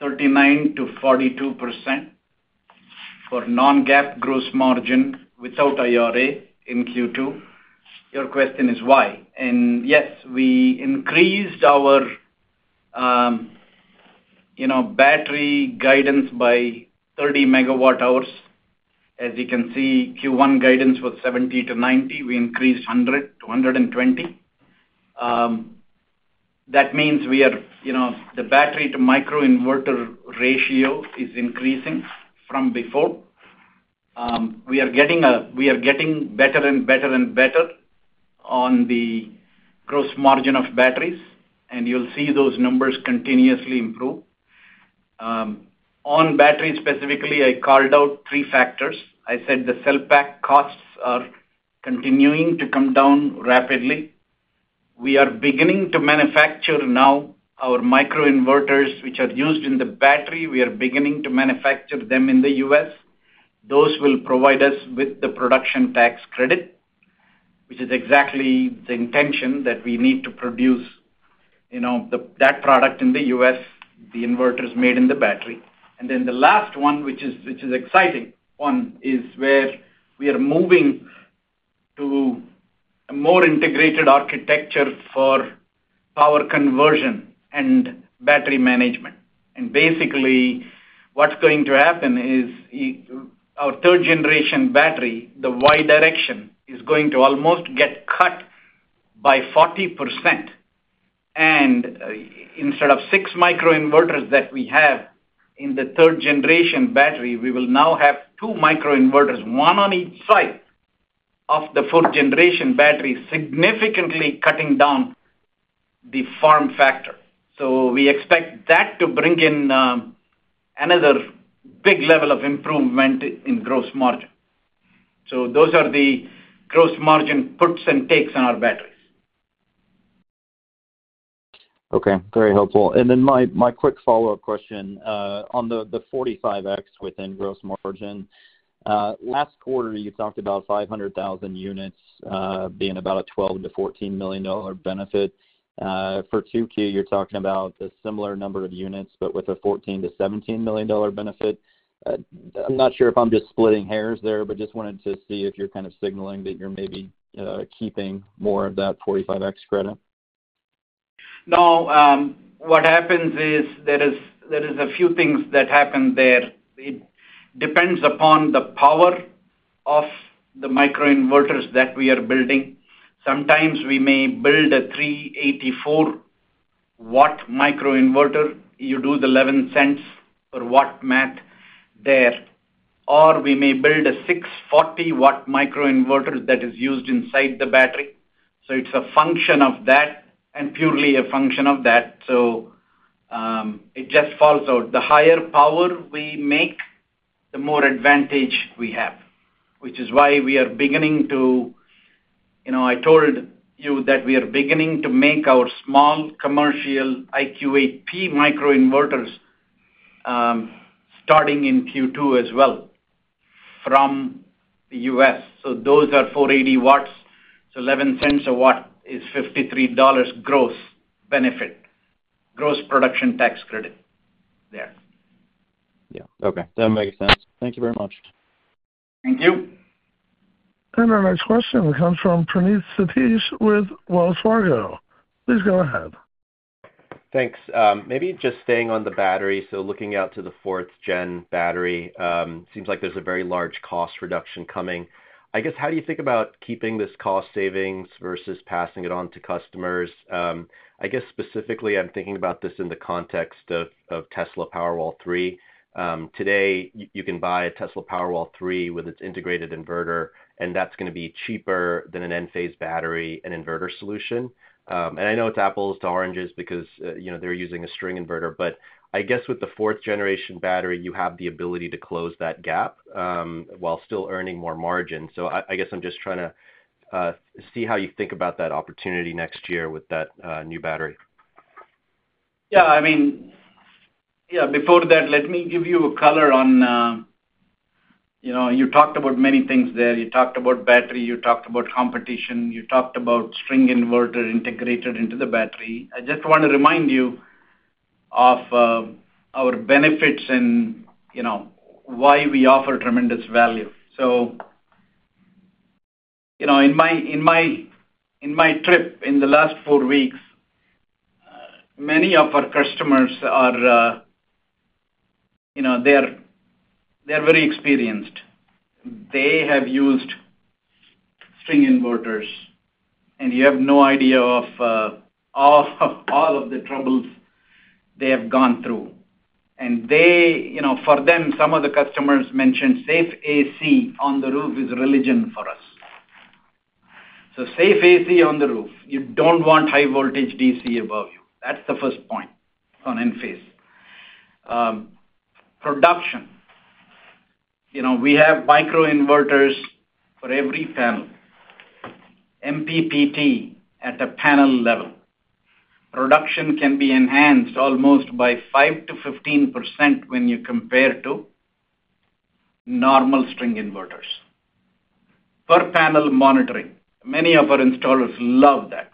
39%-42% for non-GAAP gross margin without IRA in Q2, your question is why. And yes, we increased our battery guidance by 30 MWh. As you can see, Q1 guidance was 70-90 MWh. We increased 100-120 MWh. That means we are the battery-to-microinverter ratio is increasing from before. We are getting better and better and better on the gross margin of batteries, and you'll see those numbers continuously improve. On battery specifically, I called out three factors. I said the cell pack costs are continuing to come down rapidly. We are beginning to manufacture now our microinverters, which are used in the battery. We are beginning to manufacture them in the U.S. Those will provide us with the Production Tax Credit, which is exactly the intention that we need to produce that product in the U.S., the inverters made in the battery. And then the last one, which is exciting one, is where we are moving to a more integrated architecture for power conversion and battery management. And basically, what's going to happen is our third-generation battery, the Y direction, is going to almost get cut by 40%. And instead of six microinverters that we have in the third-generation battery, we will now have two microinverters, one on each side of the fourth-generation battery, significantly cutting down the form factor. So we expect that to bring in another big level of improvement in gross margin. So those are the gross margin puts and takes on our batteries. Okay. Very helpful. And then my quick follow-up question on the 45X within gross margin. Last quarter, you talked about 500,000 units being about a $12 million-$14 million benefit. For 2Q, you're talking about a similar number of units but with a $14 million-$17 million benefit. I'm not sure if I'm just splitting hairs there, but just wanted to see if you're kind of signaling that you're maybe keeping more of that 45X credit. No. What happens is there is a few things that happen there. It depends upon the power of the microinverters that we are building. Sometimes we may build a 384 W microinverter. You do the $0.11 per W math there. Or we may build a 640 W microinverter that is used inside the battery. So it's a function of that and purely a function of that. So it just falls out. The higher power we make, the more advantage we have, which is why we are beginning to I told you that we are beginning to make our small commercial IQ8P microinverters starting in Q2 as well from the U.S. So those are 480 W. So $0.11 a watt is $53 gross benefit, gross production tax credit there. Yeah. Okay. That makes sense. Thank you very much. Thank you. Our next question comes from Praneeth Satish with Wells Fargo. Please go ahead. Thanks. Maybe just staying on the battery. So looking out to the fourth-gen battery, it seems like there's a very large cost reduction coming. I guess how do you think about keeping this cost savings versus passing it on to customers? I guess specifically, I'm thinking about this in the context of Tesla Powerwall 3. Today, you can buy a Tesla Powerwall 3 with its integrated inverter, and that's going to be cheaper than an Enphase battery, an inverter solution. And I know it's apples to oranges because they're using a string inverter. But I guess with the fourth-generation battery, you have the ability to close that gap while still earning more margin. So I guess I'm just trying to see how you think about that opportunity next year with that new battery. Yeah. I mean, yeah, before that, let me give you a color on you talked about many things there. You talked about battery. You talked about competition. You talked about string inverter integrated into the battery. I just want to remind you of our benefits and why we offer tremendous value. So in my trip in the last four weeks, many of our customers, they're very experienced. They have used string inverters, and you have no idea of all of the troubles they have gone through. And for them, some of the customers mentioned safe AC on the roof is religion for us. So safe AC on the roof. You don't want high-voltage DC above you. That's the first point on Enphase production. We have microinverters for every panel, MPPT at a panel level. Production can be enhanced almost by 5%-15% when you compare to normal string inverters. Per-panel monitoring. Many of our installers love that.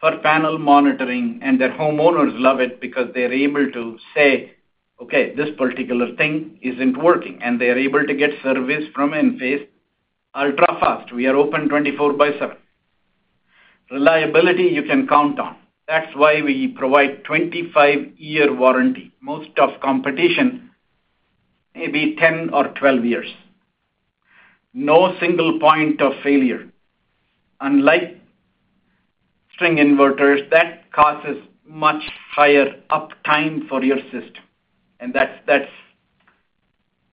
Per-panel monitoring, and their homeowners love it because they're able to say, "Okay. This particular thing isn't working," and they're able to get service from Enphase ultra-fast. We are open 24/7. Reliability, you can count on. That's why we provide 25-year warranty. Most of competition, maybe 10 or 12 years. No single point of failure. Unlike string inverters, that causes much higher uptime for your system, and that's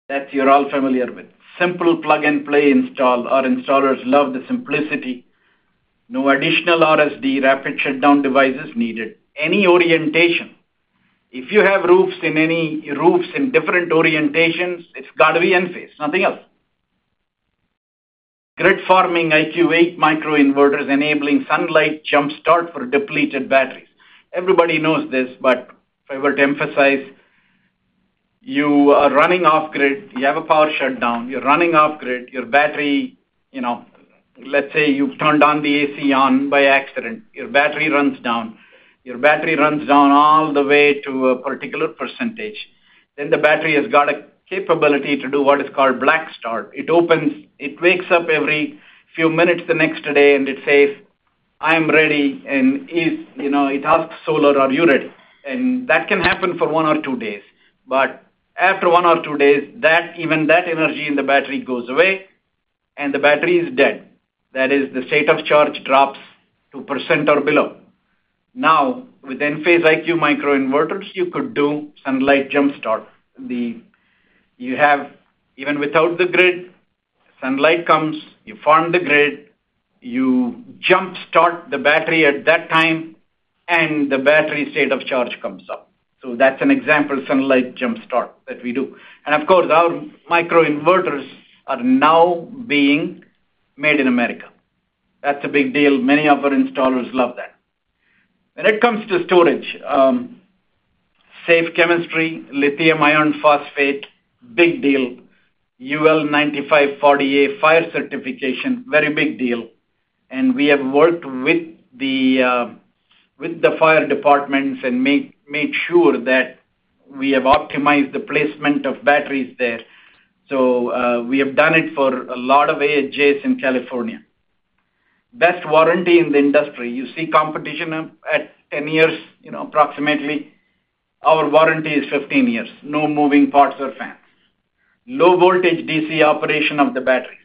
what you're all familiar with. Simple plug-and-play install. Our installers love the simplicity. No additional RSD, rapid shutdown devices needed. Any orientation. If you have roofs in different orientations, it's got to be Enphase, nothing else. Grid-forming IQ8 microinverters enabling sunlight jump-start for depleted batteries. Everybody knows this, but if I were to emphasize, you are running off-grid. You have a power shutdown. You're running off-grid. Your battery, let's say you've turned on the AC on by accident. Your battery runs down. Your battery runs down all the way to a particular percentage. Then the battery has got a capability to do what is called black start. It wakes up every few minutes the next day, and it says, "I am ready," and it asks solar, "Are you ready?" And that can happen for one or two days. But after one or two days, even that energy in the battery goes away, and the battery is dead. That is, the state of charge drops to 0% or below. Now, with Enphase IQ microinverters, you could do sunlight jump-start. Even without the grid, sunlight comes. You form the grid. You jump-start the battery at that time, and the battery state of charge comes up. So that's an example sunlight jump-start that we do. And of course, our microinverters are now being made in America. That's a big deal. Many of our installers love that. When it comes to storage, safe chemistry, lithium iron phosphate, big deal. UL 9540 fire certification, very big deal. And we have worked with the fire departments and made sure that we have optimized the placement of batteries there. So we have done it for a lot of AHJs in California. Best warranty in the industry. You see competition at 10 years approximately. Our warranty is 15 years. No moving parts or fans. Low-voltage DC operation of the batteries.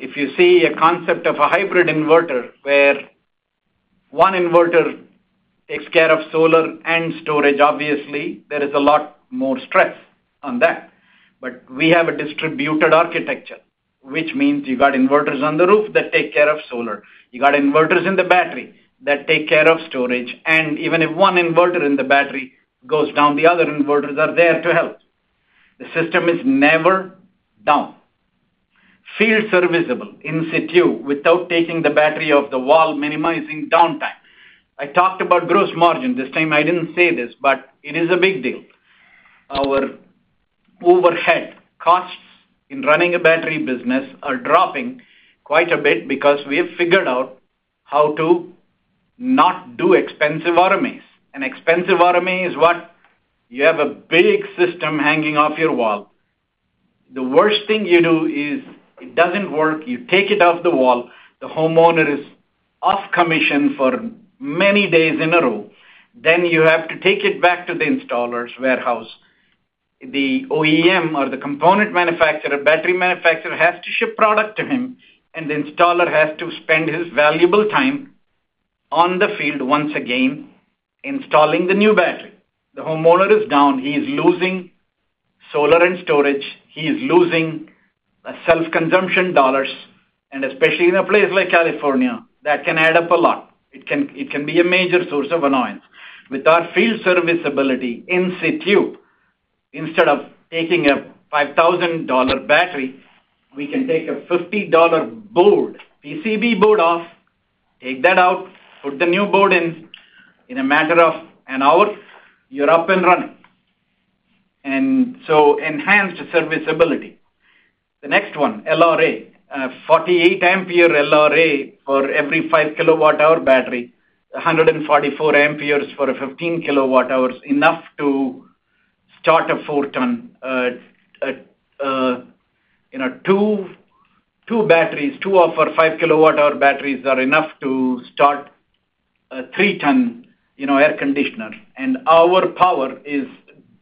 If you see a concept of a hybrid inverter where one inverter takes care of solar and storage, obviously, there is a lot more stress on that. But we have a distributed architecture, which means you got inverters on the roof that take care of solar. You got inverters in the battery that take care of storage. And even if one inverter in the battery goes down, the other inverters are there to help. The system is never down. Field-serviceable in situ without taking the battery off the wall, minimizing downtime. I talked about gross margin. This time, I didn't say this, but it is a big deal. Our overhead costs in running a battery business are dropping quite a bit because we have figured out how to not do expensive RMAs. An expensive RMA is what? You have a big system hanging off your wall. The worst thing you do is it doesn't work. You take it off the wall. The homeowner is off commission for many days in a row. Then you have to take it back to the installer's warehouse. The OEM or the component manufacturer, battery manufacturer, has to ship product to him, and the installer has to spend his valuable time on the field once again installing the new battery. The homeowner is down. He is losing solar and storage. He is losing self-consumption dollars. And especially in a place like California, that can add up a lot. It can be a major source of annoyance. With our field-serviceability in situ, instead of taking a $5,000 battery, we can take a $50 board, PCB board, off, take that out, put the new board in. In a matter of an hour, you're up and running. And so enhanced serviceability. The next one, LRA, 48-ampere LRA for every 5 kWh battery, 144 amperes for 15 kWh, enough to start a 4-ton. Two batteries, two of our 5 kWh batteries are enough to start a 3-ton air conditioner. Our power is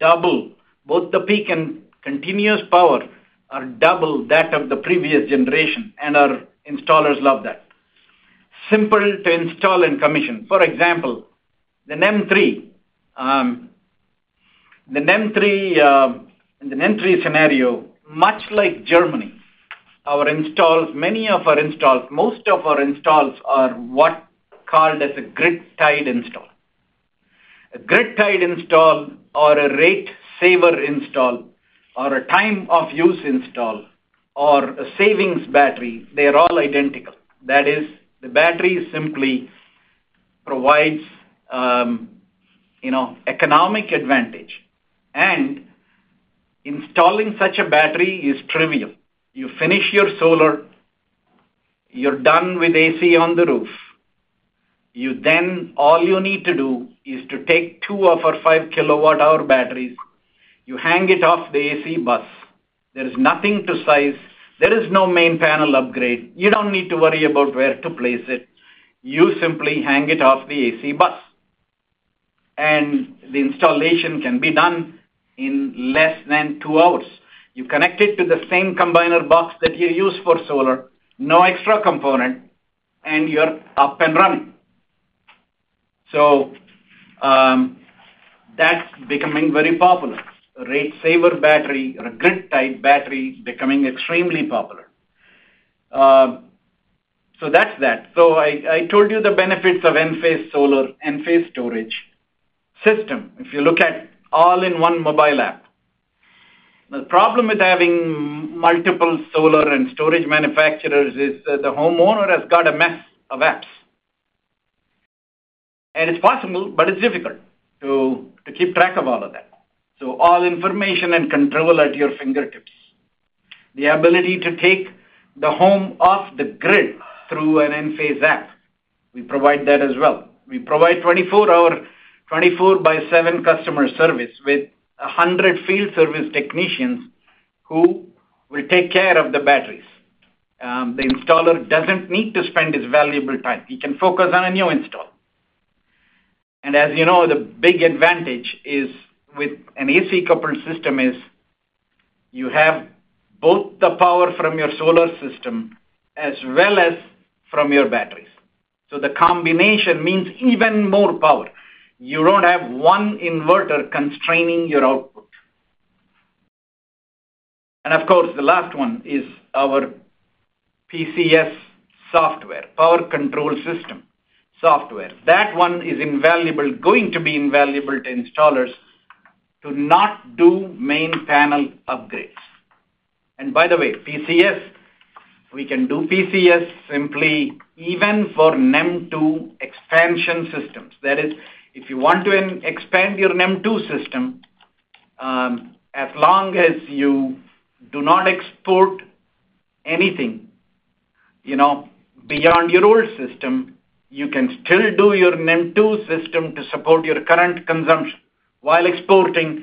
double. Both the peak and continuous power are double that of the previous generation, and our installers love that. Simple to install and commission. For example, the NEM 3 in the NEM 3 scenario, much like Germany, many of our installs, most of our installs are what's called as a grid-tied install. A grid-tied install or a rate-saver install or a time-of-use install or a savings battery, they're all identical. That is, the battery simply provides economic advantage. Installing such a battery is trivial. You finish your solar. You're done with AC on the roof. All you need to do is to take two of our 5 kWh batteries. You hang it off the AC bus. There is nothing to size. There is no main panel upgrade. You don't need to worry about where to place it. You simply hang it off the AC bus. And the installation can be done in less than two hours. You connect it to the same combiner box that you use for solar, no extra component, and you're up and running. So that's becoming very popular, a rate-saver battery or a grid-tied battery becoming extremely popular. So that's that. So I told you the benefits of Enphase solar, Enphase storage system. If you look at all-in-one mobile app. The problem with having multiple solar and storage manufacturers is the homeowner has got a mess of apps. And it's possible, but it's difficult to keep track of all of that. So all information and control at your fingertips. The ability to take the home off the grid through an Enphase app. We provide that as well. We provide 24-hour 24/7 customer service with 100 field-service technicians who will take care of the batteries. The installer doesn't need to spend his valuable time. He can focus on a new install. And as you know, the big advantage with an AC-coupled system is you have both the power from your solar system as well as from your batteries. So the combination means even more power. You don't have one inverter constraining your output. And of course, the last one is our PCS software, Power Control System software. That one is invaluable, going to be invaluable to installers to not do main panel upgrades. And by the way, PCS, we can do PCS simply even for NEM2 expansion systems. That is, if you want to expand your NEM2 system, as long as you do not export anything beyond your old system, you can still do your NEM2 system to support your current consumption while exporting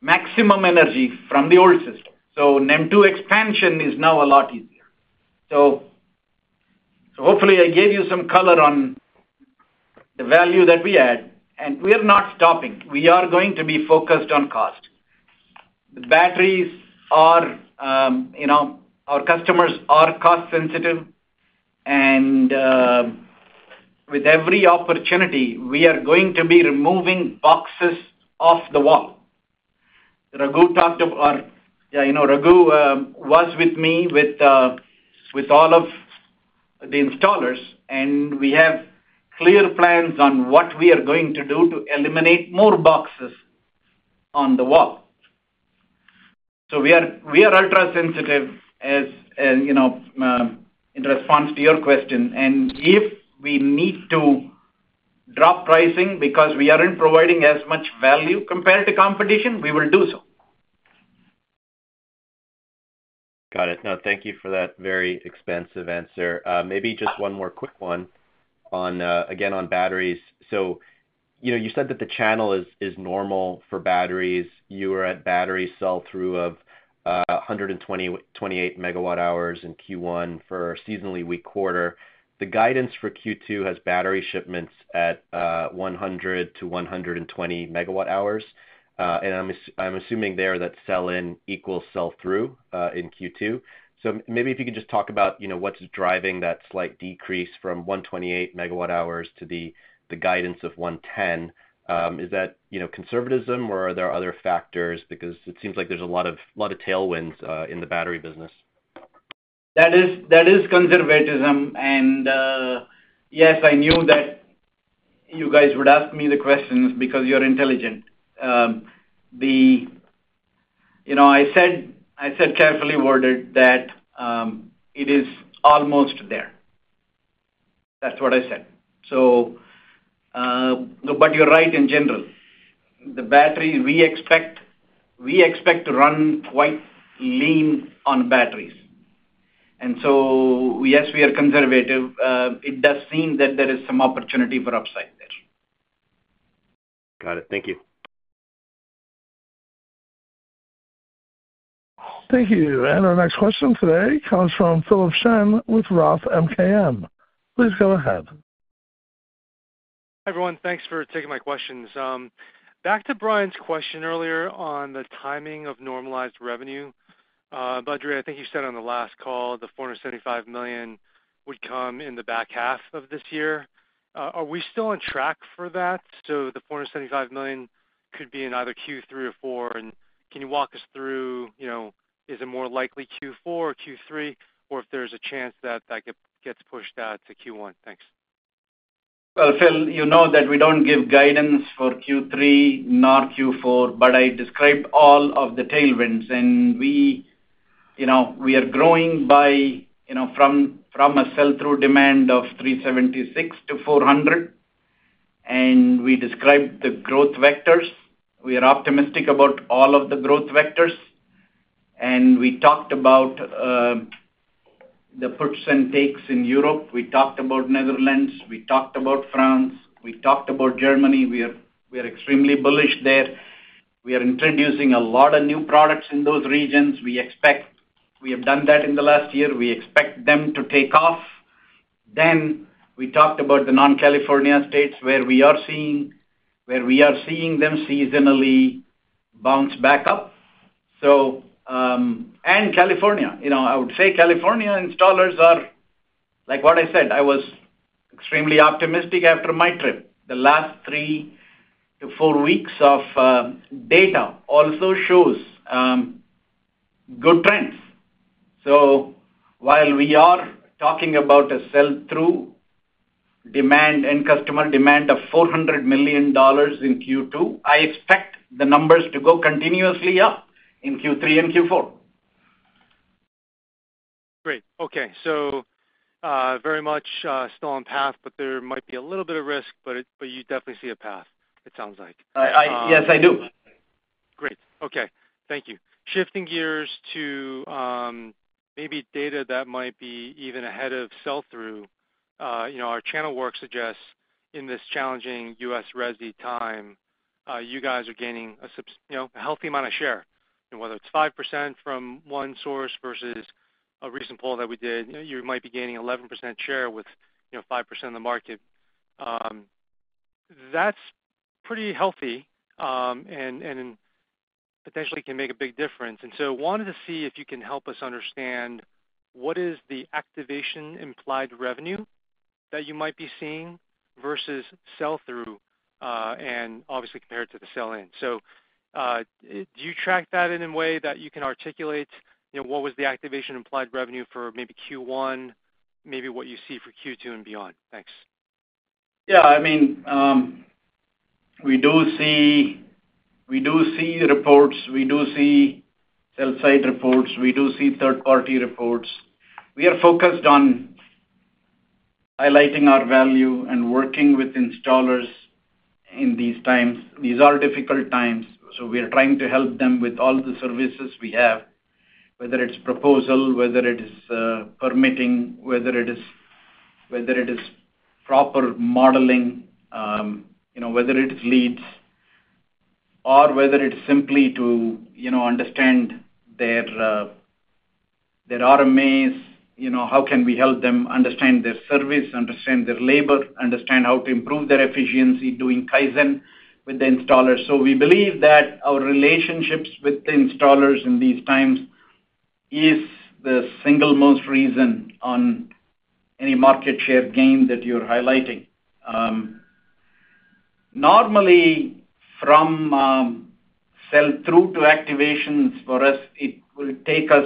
maximum energy from the old system. So NEM2 expansion is now a lot easier. So hopefully, I gave you some color on the value that we add. And we are not stopping. We are going to be focused on cost. The batteries are our customers are cost-sensitive. And with every opportunity, we are going to be removing boxes off the wall. Raghu talked about yeah, Raghu was with me with all of the installers, and we have clear plans on what we are going to do to eliminate more boxes on the wall. So we are ultra-sensitive in response to your question. And if we need to drop pricing because we aren't providing as much value compared to competition, we will do so. Got it. No, thank you for that very expansive answer. Maybe just one more quick one, again, on batteries. So you said that the channel is normal for batteries. You were at battery sell-through of 128 MWh in Q1 for seasonally weak quarter. The guidance for Q2 has battery shipments at 100-120 MWh. And I'm assuming there that sell-in equals sell-through in Q2. So maybe if you could just talk about what's driving that slight decrease from 128 MWh to the guidance of 110, is that conservatism, or are there other factors? Because it seems like there's a lot of tailwinds in the battery business. That is conservatism. And yes, I knew that you guys would ask me the questions because you're intelligent. I said carefully worded that it is almost there. That's what I said. But you're right in general. We expect to run quite lean on batteries. And so yes, we are conservative. It does seem that there is some opportunity for upside there. Got it. Thank you. Thank you. And our next question today comes from Philip Shen with Roth MKM. Please go ahead. Hi, everyone. Thanks for taking my questions. Back to Brian's question earlier on the timing of normalized revenue. Badri, I think you said on the last call the $475 million would come in the back half of this year. Are we still on track for that? So the $475 million could be in either Q3 or Q4. And can you walk us through, is it more likely Q4 or Q3 or if there's a chance that that gets pushed out to Q1? Thanks. Well, Phil, you know that we don't give guidance for Q3 nor Q4. But I described all of the tailwinds. And we are growing from a sell-through demand of 376-400. And we described the growth vectors. We are optimistic about all of the growth vectors. And we talked about the puts and takes in Europe. We talked about Netherlands. We talked about France. We talked about Germany. We are extremely bullish there. We are introducing a lot of new products in those regions. We have done that in the last year. We expect them to take off. Then we talked about the non-California states where we are seeing them seasonally bounce back up. And California, I would say, California installers are like what I said. I was extremely optimistic after my trip. The last three-four weeks of data also shows good trends. So while we are talking about a sell-through demand and customer demand of $400 million in Q2, I expect the numbers to go continuously up in Q3 and Q4. Great. Okay. So very much still on path, but there might be a little bit of risk. But you definitely see a path, it sounds like. Yes, I do. Great. Okay. Thank you. Shifting gears to maybe data that might be even ahead of sell-through, our channel work suggests in this challenging US residential time, you guys are gaining a healthy amount of share. Whether it's 5% from one source versus a recent poll that we did, you might be gaining 11% share with 5% of the market. That's pretty healthy and potentially can make a big difference. And so I wanted to see if you can help us understand what is the activation implied revenue that you might be seeing versus sell-through and obviously compared to the sell-in. So do you track that in a way that you can articulate what was the activation implied revenue for maybe Q1, maybe what you see for Q2 and beyond? Thanks. Yeah. I mean, we do see reports. We do see sell-side reports. We do see third-party reports. We are focused on highlighting our value and working with installers in these times. These are difficult times. So we are trying to help them with all the services we have, whether it's proposal, whether it is permitting, whether it is proper modeling, whether it is leads, or whether it's simply to understand their RMAs, how can we help them understand their service, understand their labor, understand how to improve their efficiency doing Kaizen with the installers. So we believe that our relationships with the installers in these times is the single most reason on any market share gain that you're highlighting. Normally, from sell-through to activations for us, it will take us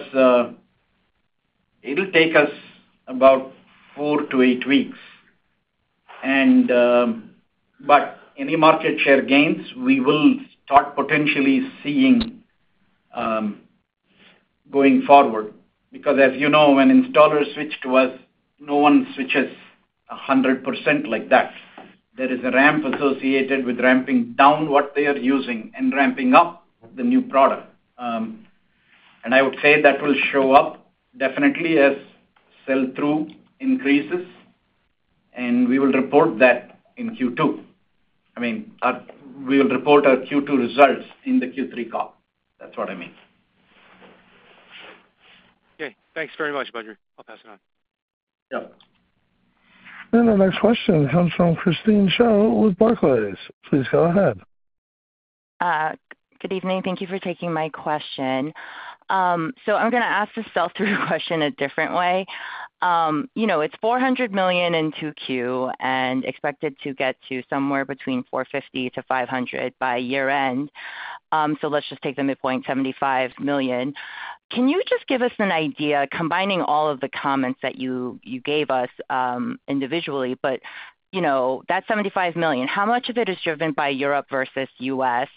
about four-eight weeks. But any market share gains, we will start potentially seeing going forward. Because as you know, when installers switch to us, no one switches 100% like that. There is a ramp associated with ramping down what they are using and ramping up the new product. I would say that will show up definitely as sell-through increases. We will report that in Q2. I mean, we will report our Q2 results in the Q3 call. That's what I mean. Okay. Thanks very much, Badri. I'll pass it on. Yep. Our next question comes from Christine Cho with Barclays. Please go ahead. Good evening. Thank you for taking my question. So I'm going to ask the sell-through question a different way. It's $400 million in 2Q and expected to get to somewhere between $450 million-$500 million by year-end. So let's just take the midpoint, $75 million. Can you just give us an idea, combining all of the comments that you gave us individually? But that $75 million, how much of it is driven by Europe versus US?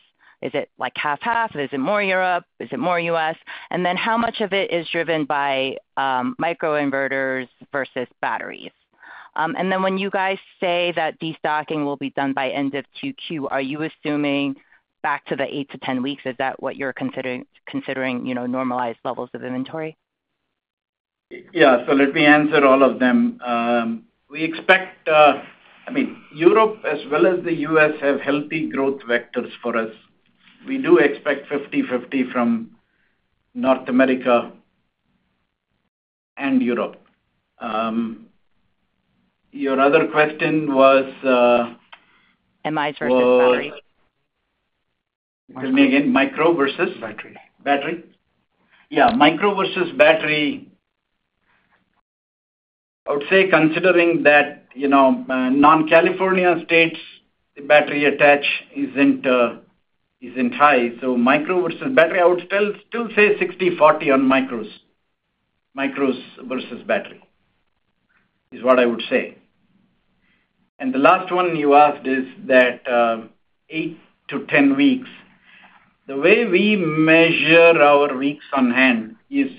Is it half-half? Is it more Europe? Is it more US? And then how much of it is driven by microinverters versus batteries? And then when you guys say that destocking will be done by end of 2Q, are you assuming back to the 8-10 weeks? Is that what you're considering normalized levels of inventory? Yeah. So let me answer all of them. We expect. I mean, Europe as well as the U.S. have healthy growth vectors for us. We do expect 50/50 from North America and Europe. Your other question was. MIs versus batteries. Tell me again. Micro versus. Battery. Battery? Yeah. Micro versus battery, I would say considering that non-California states, the battery attach isn't high. So micro versus battery, I would still say 60/40 on micros versus battery is what I would say. And the last one you asked is that eight-10 weeks. The way we measure our weeks on hand is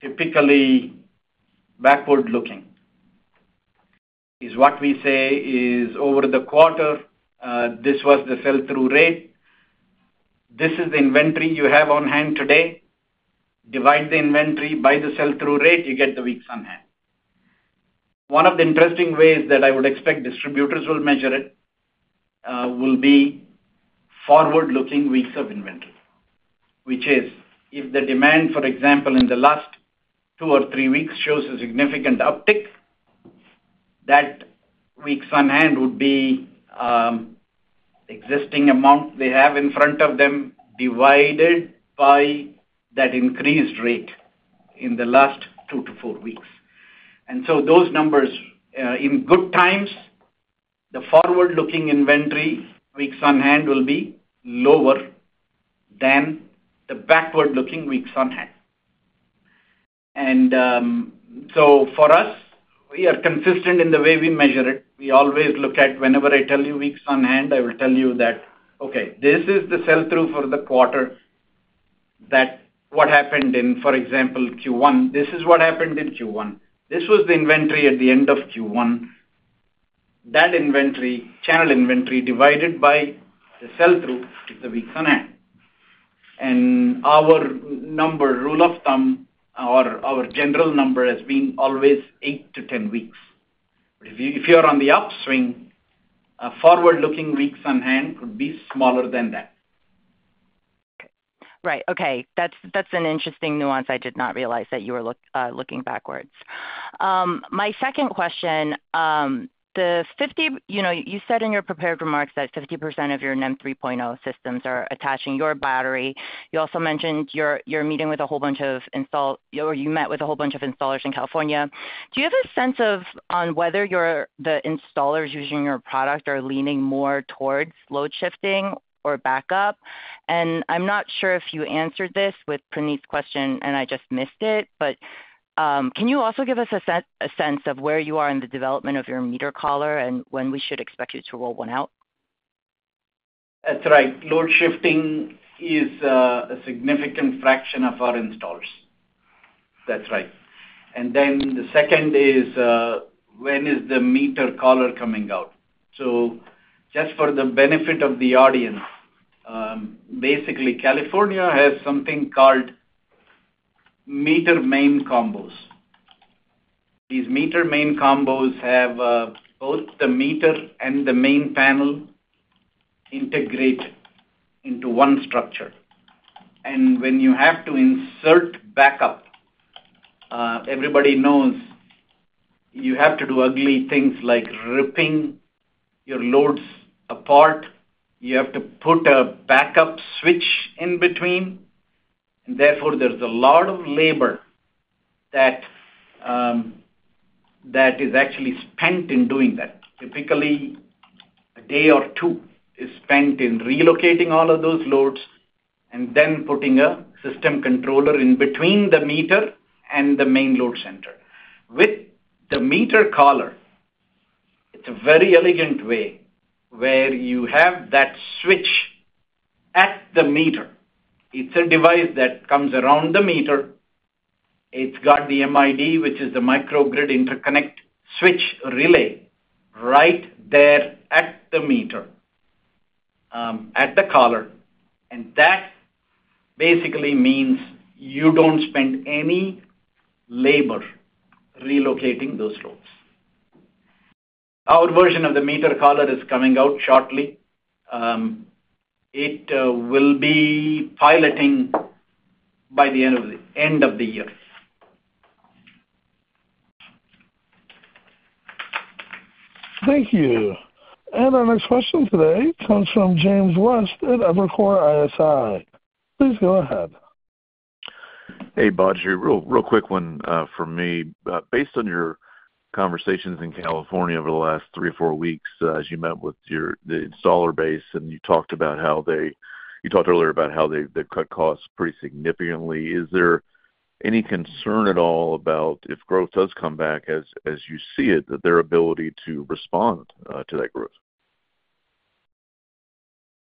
typically backward-looking. What we say is, "Over the quarter, this was the sell-through rate. This is the inventory you have on hand today. Divide the inventory by the sell-through rate. You get the weeks on hand." One of the interesting ways that I would expect distributors will measure it will be forward-looking weeks of inventory, which is if the demand, for example, in the last two or three weeks shows a significant uptick, that weeks on hand would be existing amount they have in front of them divided by that increased rate in the last two to four weeks. And so those numbers, in good times, the forward-looking inventory weeks on hand will be lower than the backward-looking weeks on hand. And so for us, we are consistent in the way we measure it. We always look at whenever I tell you weeks on hand, I will tell you that, "Okay. This is the sell-through for the quarter. What happened in, for example, Q1? This is what happened in Q1. This was the inventory at the end of Q1. That channel inventory divided by the sell-through is the weeks on hand. And our number, rule of thumb, or our general number has been always 8-10 weeks. But if you're on the upswing, forward-looking weeks on hand could be smaller than that. Right. Okay. That's an interesting nuance. I did not realize that you were looking backwards. My second question, you said in your prepared remarks that 50% of your NEM 3.0 systems are attaching your battery. You also mentioned you're meeting with a whole bunch of or you met with a whole bunch of installers in California. Do you have a sense on whether the installers using your product are leaning more towards load shifting or backup? I'm not sure if you answered this with Praneeth's question, and I just missed it. But can you also give us a sense of where you are in the development of your meter collar and when we should expect you to roll one out? That's right. Load shifting is a significant fraction of our installers. That's right. And then the second is, when is the meter collar coming out? So just for the benefit of the audience, basically, California has something called meter main combos. These meter main combos have both the meter and the main panel integrated into one structure. And when you have to insert backup, everybody knows you have to do ugly things like ripping your loads apart. You have to put a backup switch in between. And therefore, there's a lot of labor that is actually spent in doing that. Typically, a day or two is spent in relocating all of those loads and then putting a system controller in between the meter and the main load center. With the meter collar, it's a very elegant way where you have that switch at the meter. It's a device that comes around the meter. It's got the MID, which is the microgrid interconnect switch relay, right there at the collar. And that basically means you don't spend any labor relocating those loads. Our version of the meter collar is coming out shortly. It will be piloting by the end of the year. Thank you. And our next question today comes from James West at Evercore ISI. Please go ahead. Hey, Badri. Real quick one from me. Based on your conversations in California over the last three or four weeks, as you met with the installer base and you talked about how they talked earlier about how they've cut costs pretty significantly. Is there any concern at all about, if growth does come back as you see it, that their ability to respond to that growth?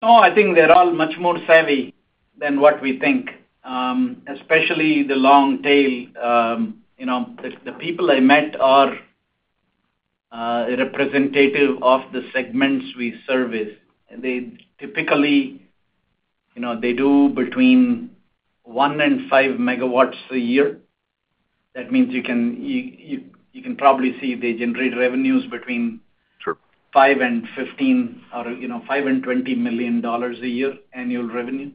Oh, I think they're all much more savvy than what we think, especially the long tail. The people I met are representative of the segments we service. Typically, they do between one and 5 MW a year. That means you can probably see they generate revenues between $5 million and $15 million or $5 million and $20 million a year, annual revenue.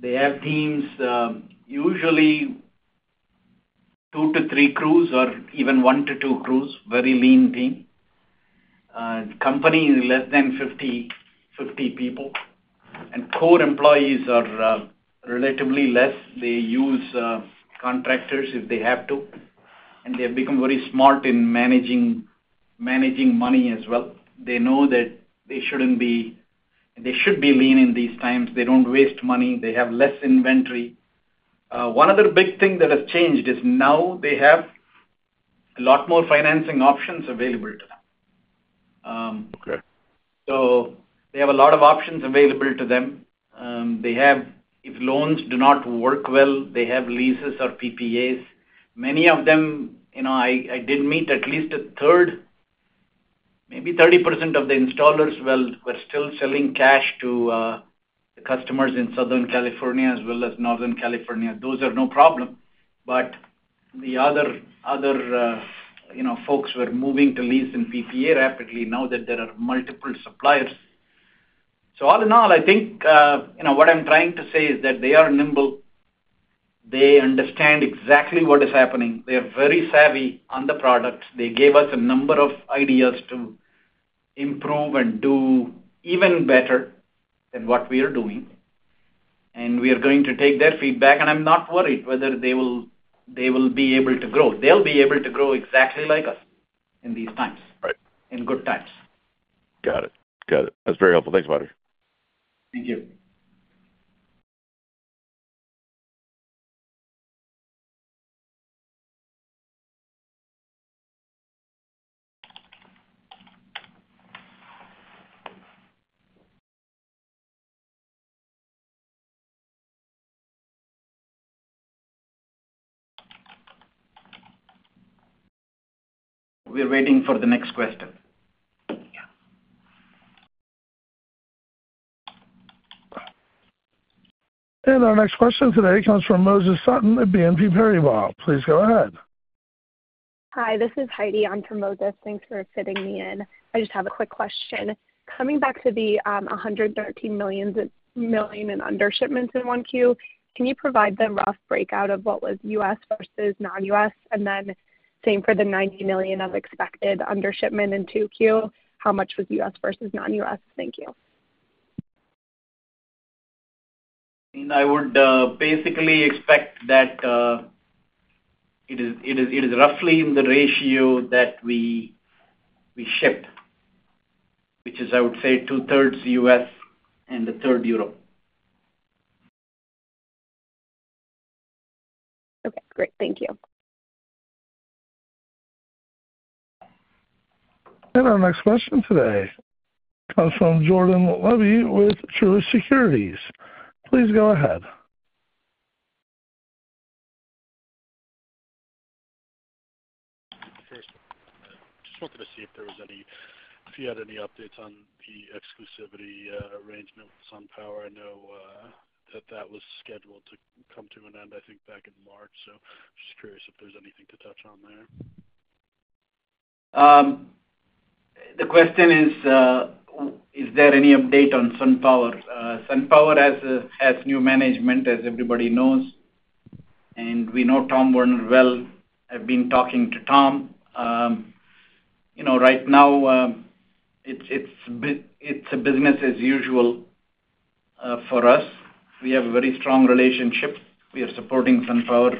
They have teams, usually two to three crews or even one to two crews, very lean team. Company is less than 50 people. Core employees are relatively less. They use contractors if they have to. They have become very smart in managing money as well. They know that they shouldn't be; they should be lean in these times. They don't waste money. They have less inventory. One other big thing that has changed is now they have a lot more financing options available to them. They have a lot of options available to them. If loans do not work well, they have leases or PPAs. Many of them I did meet at least a third, maybe 30% of the installers were still selling cash to the customers in Southern California as well as Northern California. Those are no problem. The other folks were moving to lease and PPA rapidly now that there are multiple suppliers. All in all, I think what I'm trying to say is that they are nimble. They understand exactly what is happening. They are very savvy on the products. They gave us a number of ideas to improve and do even better than what we are doing. We are going to take their feedback. I'm not worried whether they will be able to grow. They'll be able to grow exactly like us in these times, in good times. Got it. Got it. That's very helpful. Thanks, Badri. Thank you. We're waiting for the next question. Yeah. Our next question today comes from Moses Sutton at BNP Paribas. Please go ahead. Hi. This is Heidi on from Moses. Thanks for fitting me in. I just have a quick question. Coming back to the $113 million and under shipments in 1Q, can you provide the rough breakout of what was U.S. versus non-U.S.? And then same for the $90 million of expected under shipment in 2Q, how much was US versus non-US? Thank you. I mean, I would basically expect that it is roughly in the ratio that we ship, which is, I would say, two-thirds US and a third Europe. Okay. Great. Thank you. And our next question today comes from Jordan Levy with Truist Securities. Please go ahead. Just wanted to see if there was any if you had any updates on the exclusivity arrangement with SunPower. I know that that was scheduled to come to an end, I think, back in March. So just curious if there's anything to touch on there. The question is, is there any update on SunPower? SunPower has new management, as everybody knows. And we know Tom Werner well. I've been talking to Tom. Right now, it's a business as usual for us. We have a very strong relationship. We are supporting SunPower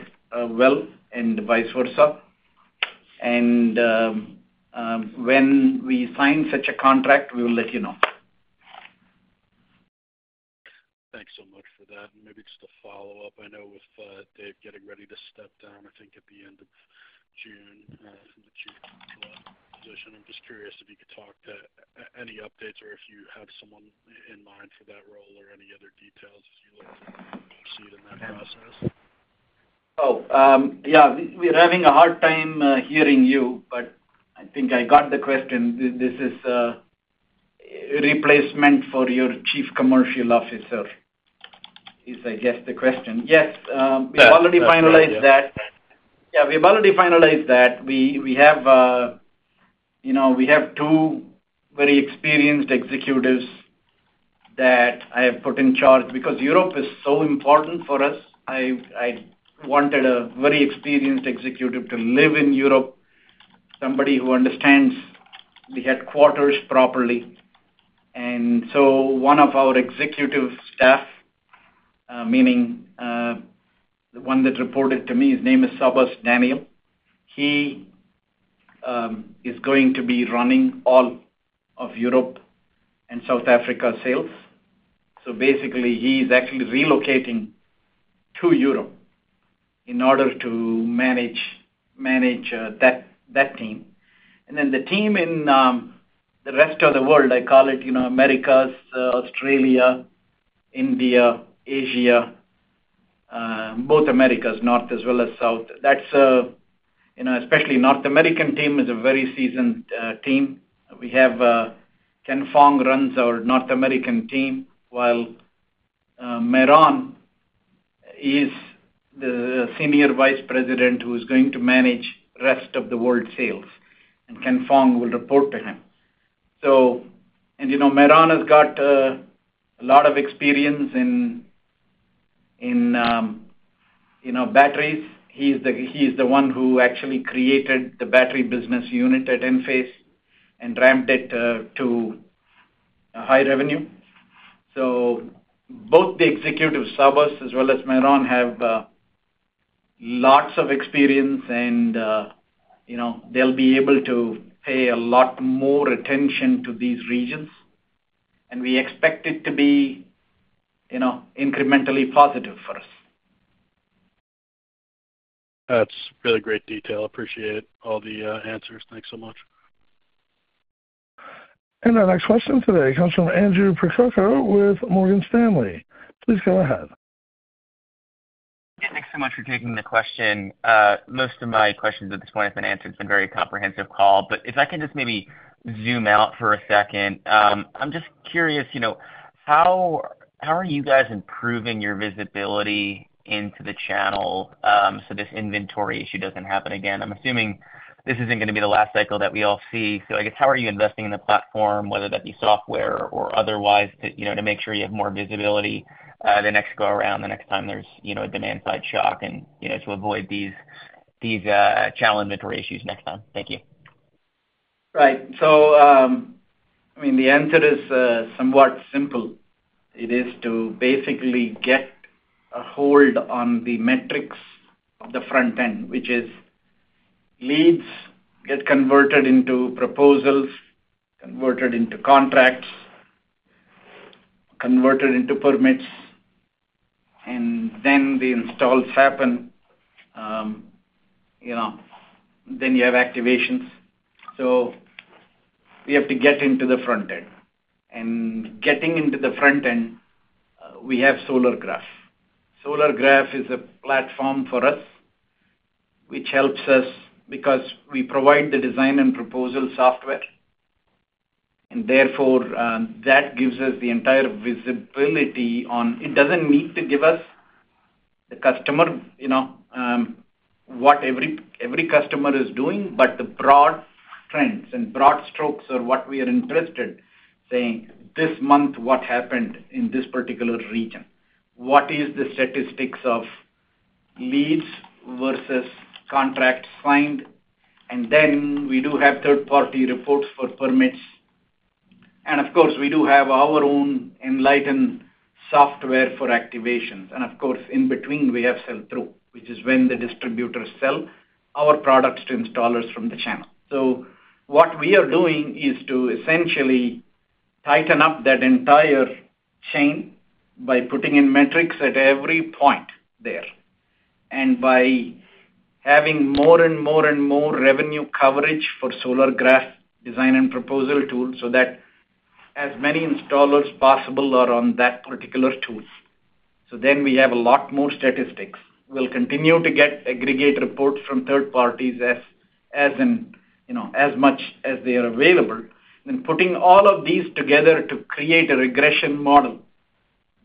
well and vice versa. And when we sign such a contract, we will let you know. Thanks so much for that. And maybe just a follow-up. I know with Dave getting ready to step down, I think, at the end of June from the chief position. I'm just curious if you could talk to any updates or if you have someone in mind for that role or any other details as you look to proceed in that process. Oh. Yeah. We're having a hard time hearing you. But I think I got the question. This is replacement for your chief commercial officer, is, I guess, the question. Yes. We've already finalized that. Yeah. We've already finalized that. We have two very experienced executives that I have put in charge because Europe is so important for us. I wanted a very experienced executive to live in Europe, somebody who understands the headquarters properly. So one of our executive staff, meaning the one that reported to me, his name is Sabbas Daniel. He is going to be running all of Europe and South Africa sales. So basically, he's actually relocating to Europe in order to manage that team. Then the team in the rest of the world, I call it Americas, Australia, India, Asia, both Americas, North as well as South, especially North American team is a very seasoned team. Ken Fong runs our North American team, while Mehran is the Senior Vice President who is going to manage the rest of the world sales. And Ken Fong will report to him. And Mehran has got a lot of experience in batteries. He's the one who actually created the battery business unit at Enphase and ramped it to high revenue. So both the executive, Sabas, as well as Mehran, have lots of experience. And they'll be able to pay a lot more attention to these regions. And we expect it to be incrementally positive for us. That's really great detail. Appreciate all the answers. Thanks so much. And our next question today comes from Andrew Percoco with Morgan Stanley. Please go ahead. Yeah. Thanks so much for taking the question. Most of my questions at this point have been answered. It's been a very comprehensive call. But if I can just maybe zoom out for a second, I'm just curious how are you guys improving your visibility into the channel so this inventory issue doesn't happen again? I'm assuming this isn't going to be the last cycle that we all see. So I guess how are you investing in the platform, whether that be software or otherwise, to make sure you have more visibility the next go-around, the next time there's a demand-side shock, and to avoid these channel inventory issues next time? Thank you. Right. So I mean, the answer is somewhat simple. It is to basically get a hold on the metrics of the front end, which is leads get converted into proposals, converted into contracts, converted into permits. And then the installs happen. Then you have activations. So we have to get into the front end. And getting into the front end, we have Solargraf. Solargraf is a platform for us which helps us because we provide the design and proposal software. And therefore, that gives us the entire visibility on it. It doesn't need to give us the customer what every customer is doing, but the broad trends and broad strokes or what we are interested saying, "This month, what happened in this particular region? What is the statistics of leads versus contracts signed?" And then we do have third-party reports for permits. And of course, we do have our own Enlighten software for activations. And of course, in between, we have sell-through, which is when the distributors sell our products to installers from the channel. So what we are doing is to essentially tighten up that entire chain by putting in metrics at every point there and by having more and more and more revenue coverage for Solargraf design and proposal tool so that as many installers possible are on that particular tool. So then we have a lot more statistics. We'll continue to get aggregate reports from third parties as much as they are available, then putting all of these together to create a regression model,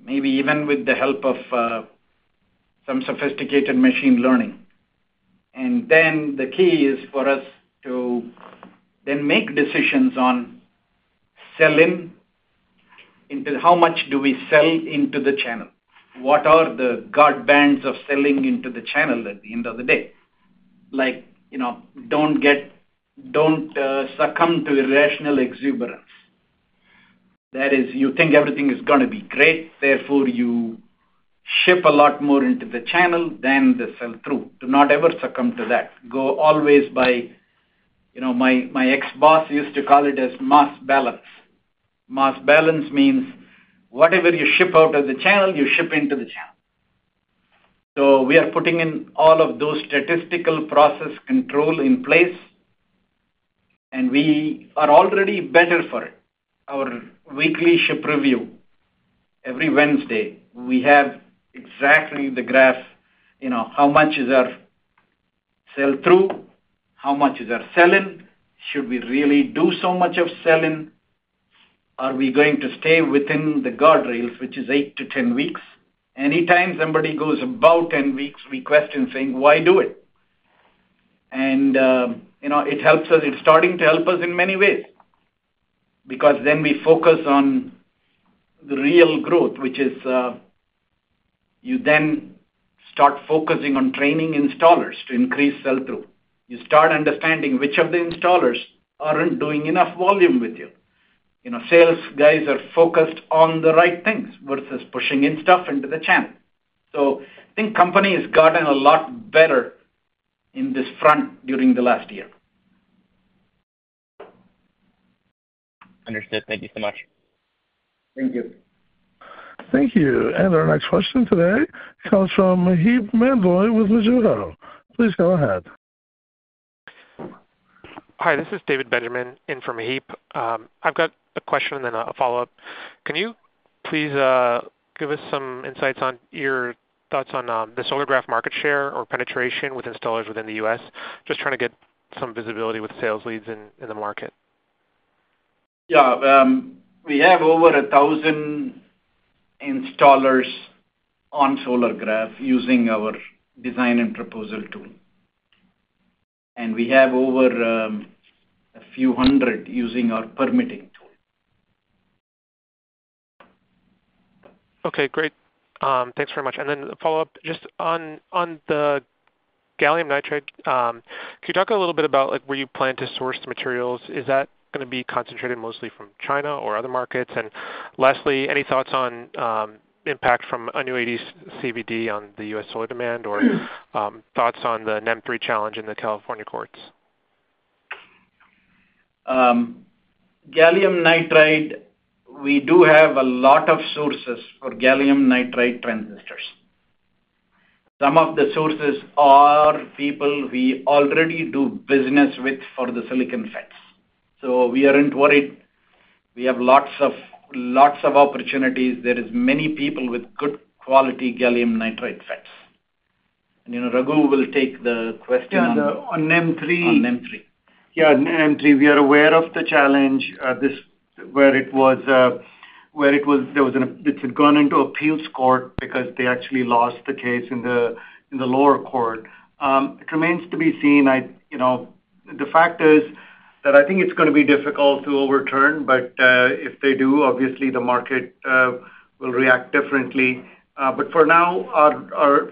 maybe even with the help of some sophisticated machine learning. And then the key is for us to then make decisions on selling into how much do we sell into the channel? What are the guardbands of selling into the channel at the end of the day? Don't succumb to irrational exuberance. That is, you think everything is going to be great. Therefore, you ship a lot more into the channel than the sell-through. Do not ever succumb to that. Go always by my ex-boss used to call it as mass balance. Mass balance means whatever you ship out of the channel, you ship into the channel. So we are putting in all of those statistical process control in place. We are already better for it. Our weekly ship review every Wednesday, we have exactly the graph: how much is our Sell-Through? How much is our Sell-in? Should we really do so much of Sell-in? Are we going to stay within the guardrails, which is eight-10 weeks? Anytime somebody goes above 10 weeks, we question saying, "Why do it?" And it helps us. It's starting to help us in many ways because then we focus on the real growth, which is you then start focusing on training installers to increase Sell-Through. You start understanding which of the installers aren't doing enough volume with you. Sales guys are focused on the right things versus pushing in stuff into the channel. So I think company has gotten a lot better in this front during the last year. Understood. Thank you so much. Thank you. Thank you. And our next question today comes from Maheep Mandloi with Mizuho. Please go ahead. Hi. This is David Benjamin in from Maheep. I've got a question and then a follow-up. Can you please give us some insights on your thoughts on the Solargraf market share or penetration with installers within the U.S.? Just trying to get some visibility with sales leads in the market. Yeah. We have over 1,000 installers on Solargraf using our design and proposal tool. And we have over a few hundred using our permitting tool. Okay. Great. Thanks very much. And then follow-up, just on the gallium nitride, could you talk a little bit about where you plan to source the materials? Is that going to be concentrated mostly from China or other markets? And lastly, any thoughts on impact from a new 80% CVD on the U.S. solar demand or thoughts on the NEM 3.0 challenge in the California courts? Gallium nitride, we do have a lot of sources for gallium nitride transistors. Some of the sources are people we already do business with for the silicon FETs. So we aren't worried. We have lots of opportunities. There is many people with good-quality gallium nitride FETs. And Raghu will take the question on. Yeah. On NEM 3.0. On NEM 3.0. Yeah. NEM 3.0. We are aware of the challenge where it had gone into appeals court because they actually lost the case in the lower court. It remains to be seen. The fact is that I think it's going to be difficult to overturn. But if they do, obviously, the market will react differently. But for now,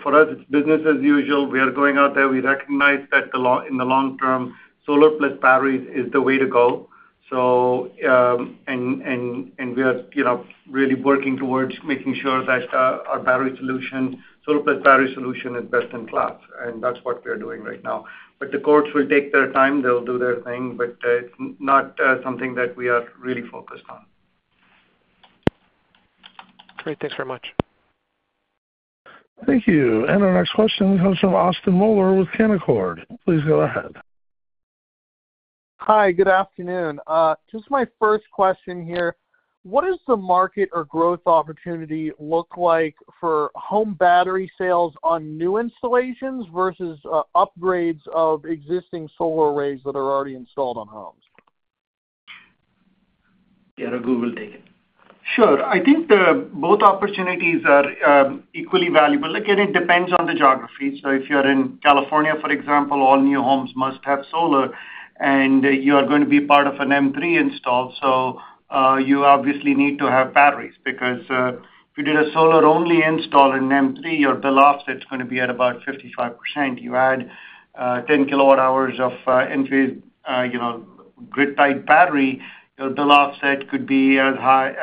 for us, it's business as usual. We are going out there. We recognize that in the long term, solar-plus batteries is the way to go. And we are really working towards making sure that our solar-plus battery solution is best in class. And that's what we are doing right now. But the courts will take their time. They'll do their thing. But it's not something that we are really focused on. Great. Thanks very much. Thank you. And our next question comes from Austin Moeller with Canaccord. Please go ahead. Hi. Good afternoon. Just my first question here. What does the market or growth opportunity look like for home battery sales on new installations versus upgrades of existing solar arrays that are already installed on homes? Yeah. Raghu will take it. Sure. I think both opportunities are equally valuable. Again, it depends on the geography. So if you're in California, for example, all new homes must have solar. And you are going to be part of a NEM3 install. So you obviously need to have batteries because if you did a solar-only install in NEM3, your bill offset's going to be at about 55%. You add 10 kWh of Enphase grid-tight battery, your bill offset could be as high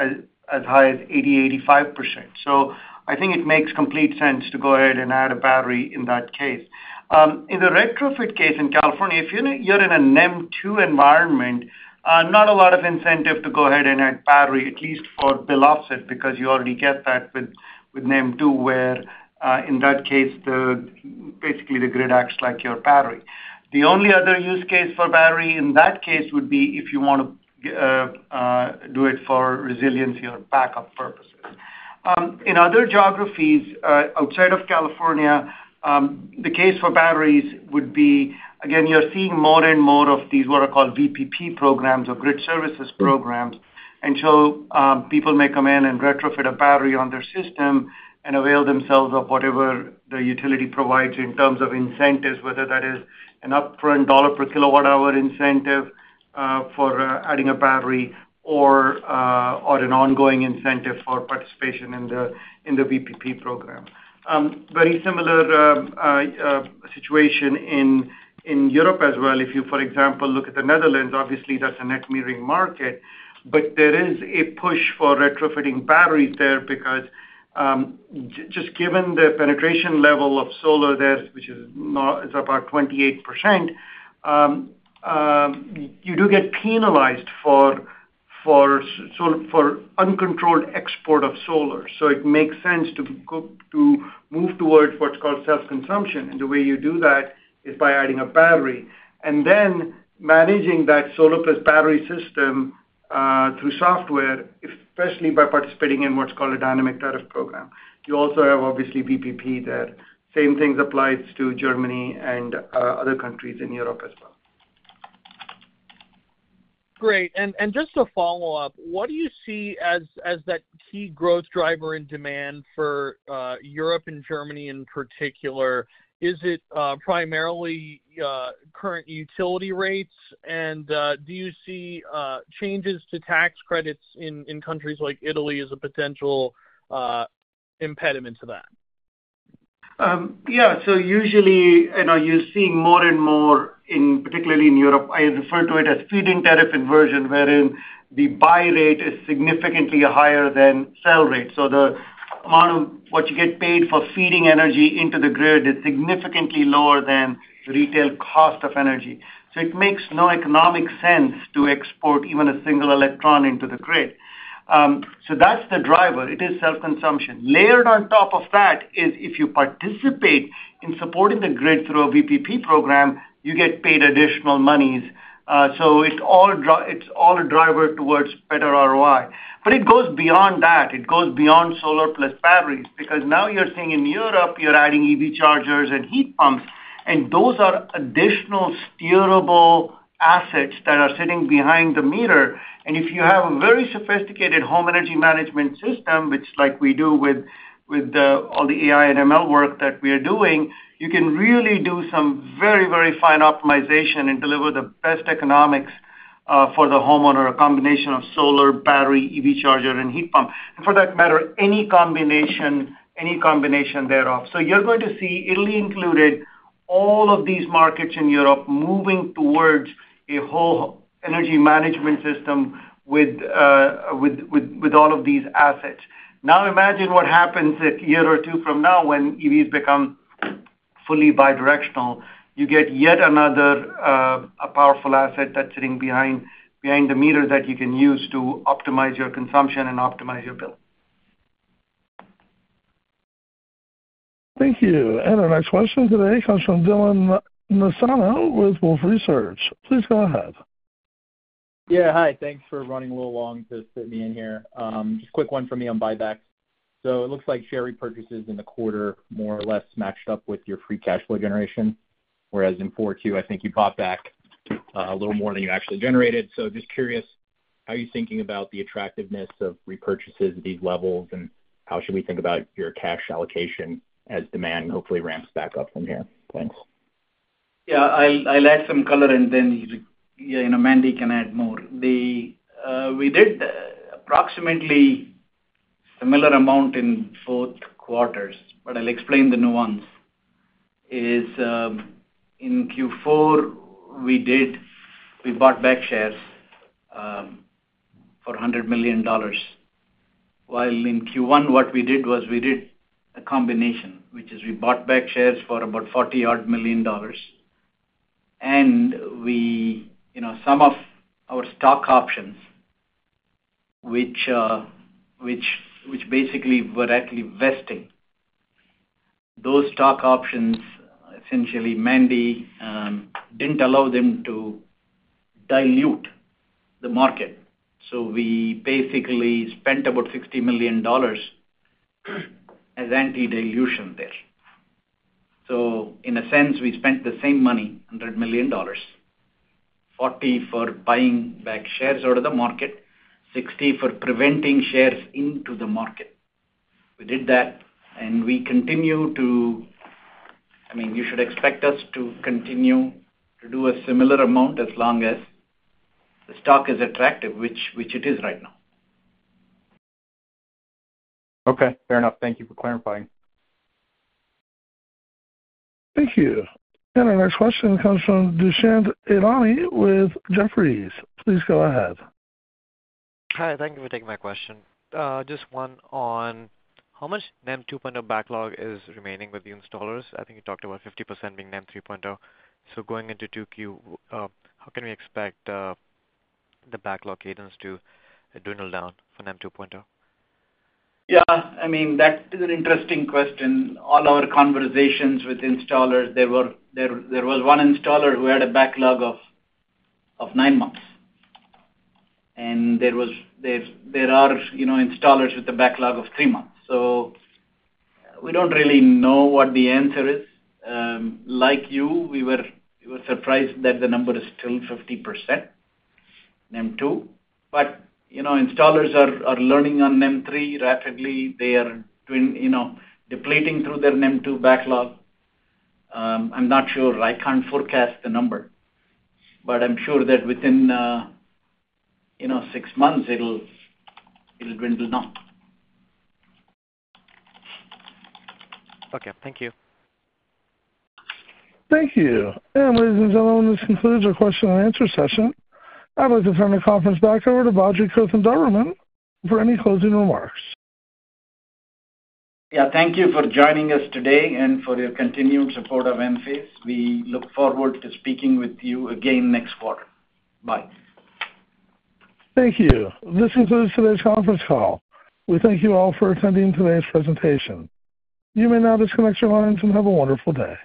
as 80%-85%. So I think it makes complete sense to go ahead and add a battery in that case. In the retrofit case in California, if you're in a NEM2 environment, not a lot of incentive to go ahead and add battery, at least for bill offset because you already get that with NEM2 where in that case, basically, the grid acts like your battery. The only other use case for battery in that case would be if you want to do it for resiliency or backup purposes. In other geographies outside of California, the case for batteries would be, again, you're seeing more and more of these what are called VPP programs or grid services programs. And so people may come in and retrofit a battery on their system and avail themselves of whatever the utility provides in terms of incentives, whether that is an upfront $ per kilowatt-hour incentive for adding a battery or an ongoing incentive for participation in the VPP program. Very similar situation in Europe as well. If you, for example, look at the Netherlands, obviously, that's a net metering market. But there is a push for retrofitting batteries there because just given the penetration level of solar there, which is about 28%, you do get penalized for uncontrolled export of solar. So it makes sense to move towards what's called self-consumption. And the way you do that is by adding a battery and then managing that solar-plus battery system through software, especially by participating in what's called a dynamic tariff program. You also have, obviously, VPP there. Same things apply to Germany and other countries in Europe as well. Great. And just to follow up, what do you see as that key growth driver in demand for Europe and Germany in particular? Is it primarily current utility rates? And do you see changes to tax credits in countries like Italy as a potential impediment to that? Yeah. So usually, you're seeing more and more, particularly in Europe. I refer to it as feeding tariff inversion, wherein the buy rate is significantly higher than sell rate. So the amount of what you get paid for feeding energy into the grid is significantly lower than the retail cost of energy. So it makes no economic sense to export even a single electron into the grid. So that's the driver. It is self-consumption. Layered on top of that is if you participate in supporting the grid through a VPP program, you get paid additional monies. So it's all a driver towards better ROI. But it goes beyond that. It goes beyond solar-plus batteries because now you're seeing in Europe, you're adding EV chargers and heat pumps. And those are additional steerable assets that are sitting behind the meter. And if you have a very sophisticated home energy management system, which we do with all the AI and ML work that we are doing, you can really do some very, very fine optimization and deliver the best economics for the homeowner, a combination of solar, battery, EV charger, and heat pump. And for that matter, any combination thereof. So you're going to see Italy included, all of these markets in Europe moving towards a whole energy management system with all of these assets. Now imagine what happens a year or two from now when EVs become fully bidirectional. You get yet another powerful asset that's sitting behind the meter that you can use to optimize your consumption and optimize your bill. Thank you. And our next question today comes from Dylan Nassano with Wolfe Research. Please go ahead. Yeah. Hi. Thanks for running a little long to fit me in here. Just quick one from me on buybacks. So it looks like share repurchases in the quarter more or less matched up with your free cash flow generation, whereas in Q4, I think you bought back a little more than you actually generated. So just curious, how are you thinking about the attractiveness of repurchases at these levels, and how should we think about your cash allocation as demand hopefully ramps back up from here? Thanks. Yeah. I'll add some color, and then Mandy can add more. We did approximately a similar amount in both quarters, but I'll explain the nuance. In Q4, we bought back shares for $100 million. While in Q1, what we did was we did a combination, which is we bought back shares for about $40-odd million. Some of our stock options, which basically we're actually vesting, those stock options, essentially, Mandy didn't allow them to dilute the market. So we basically spent about $60 million as anti-dilution there. So in a sense, we spent the same money, $100 million, $40 million for buying back shares out of the market, $60 million for preventing shares into the market. We did that. And we continue to I mean, you should expect us to continue to do a similar amount as long as the stock is attractive, which it is right now. Okay. Fair enough. Thank you for clarifying. Thank you. Our next question comes from Dushyant Ailani with Jefferies. Please go ahead. Hi. Thank you for taking my question. Just one on how much NEM 2.0 backlog is remaining with the installers? I think you talked about 50% being NEM 3.0. So going into 2Q, how can we expect the backlog cadence to dwindle down for NEM 2.0? Yeah. I mean, that is an interesting question. All our conversations with installers, there was one installer who had a backlog of nine months. And there are installers with a backlog of three months. So we don't really know what the answer is. Like you, we were surprised that the number is still 50% NEM 2.0. But installers are learning on NEM 3.0 rapidly. They are depleting through their NEM 2.0 backlog. I'm not sure. I can't forecast the number. But I'm sure that within six months, it'll dwindle now. Okay. Thank you. Thank you. And ladies and gentlemen, this concludes our question and answer session. I'd like to turn the conference back over to Badri Kothandaraman for any closing remarks. Yeah. Thank you for joining us today and for your continued support of Enphase. We look forward to speaking with you again next quarter. Bye. Thank you. This concludes today's conference call. We thank you all for attending today's presentation. You may now disconnect your lines and have a wonderful day.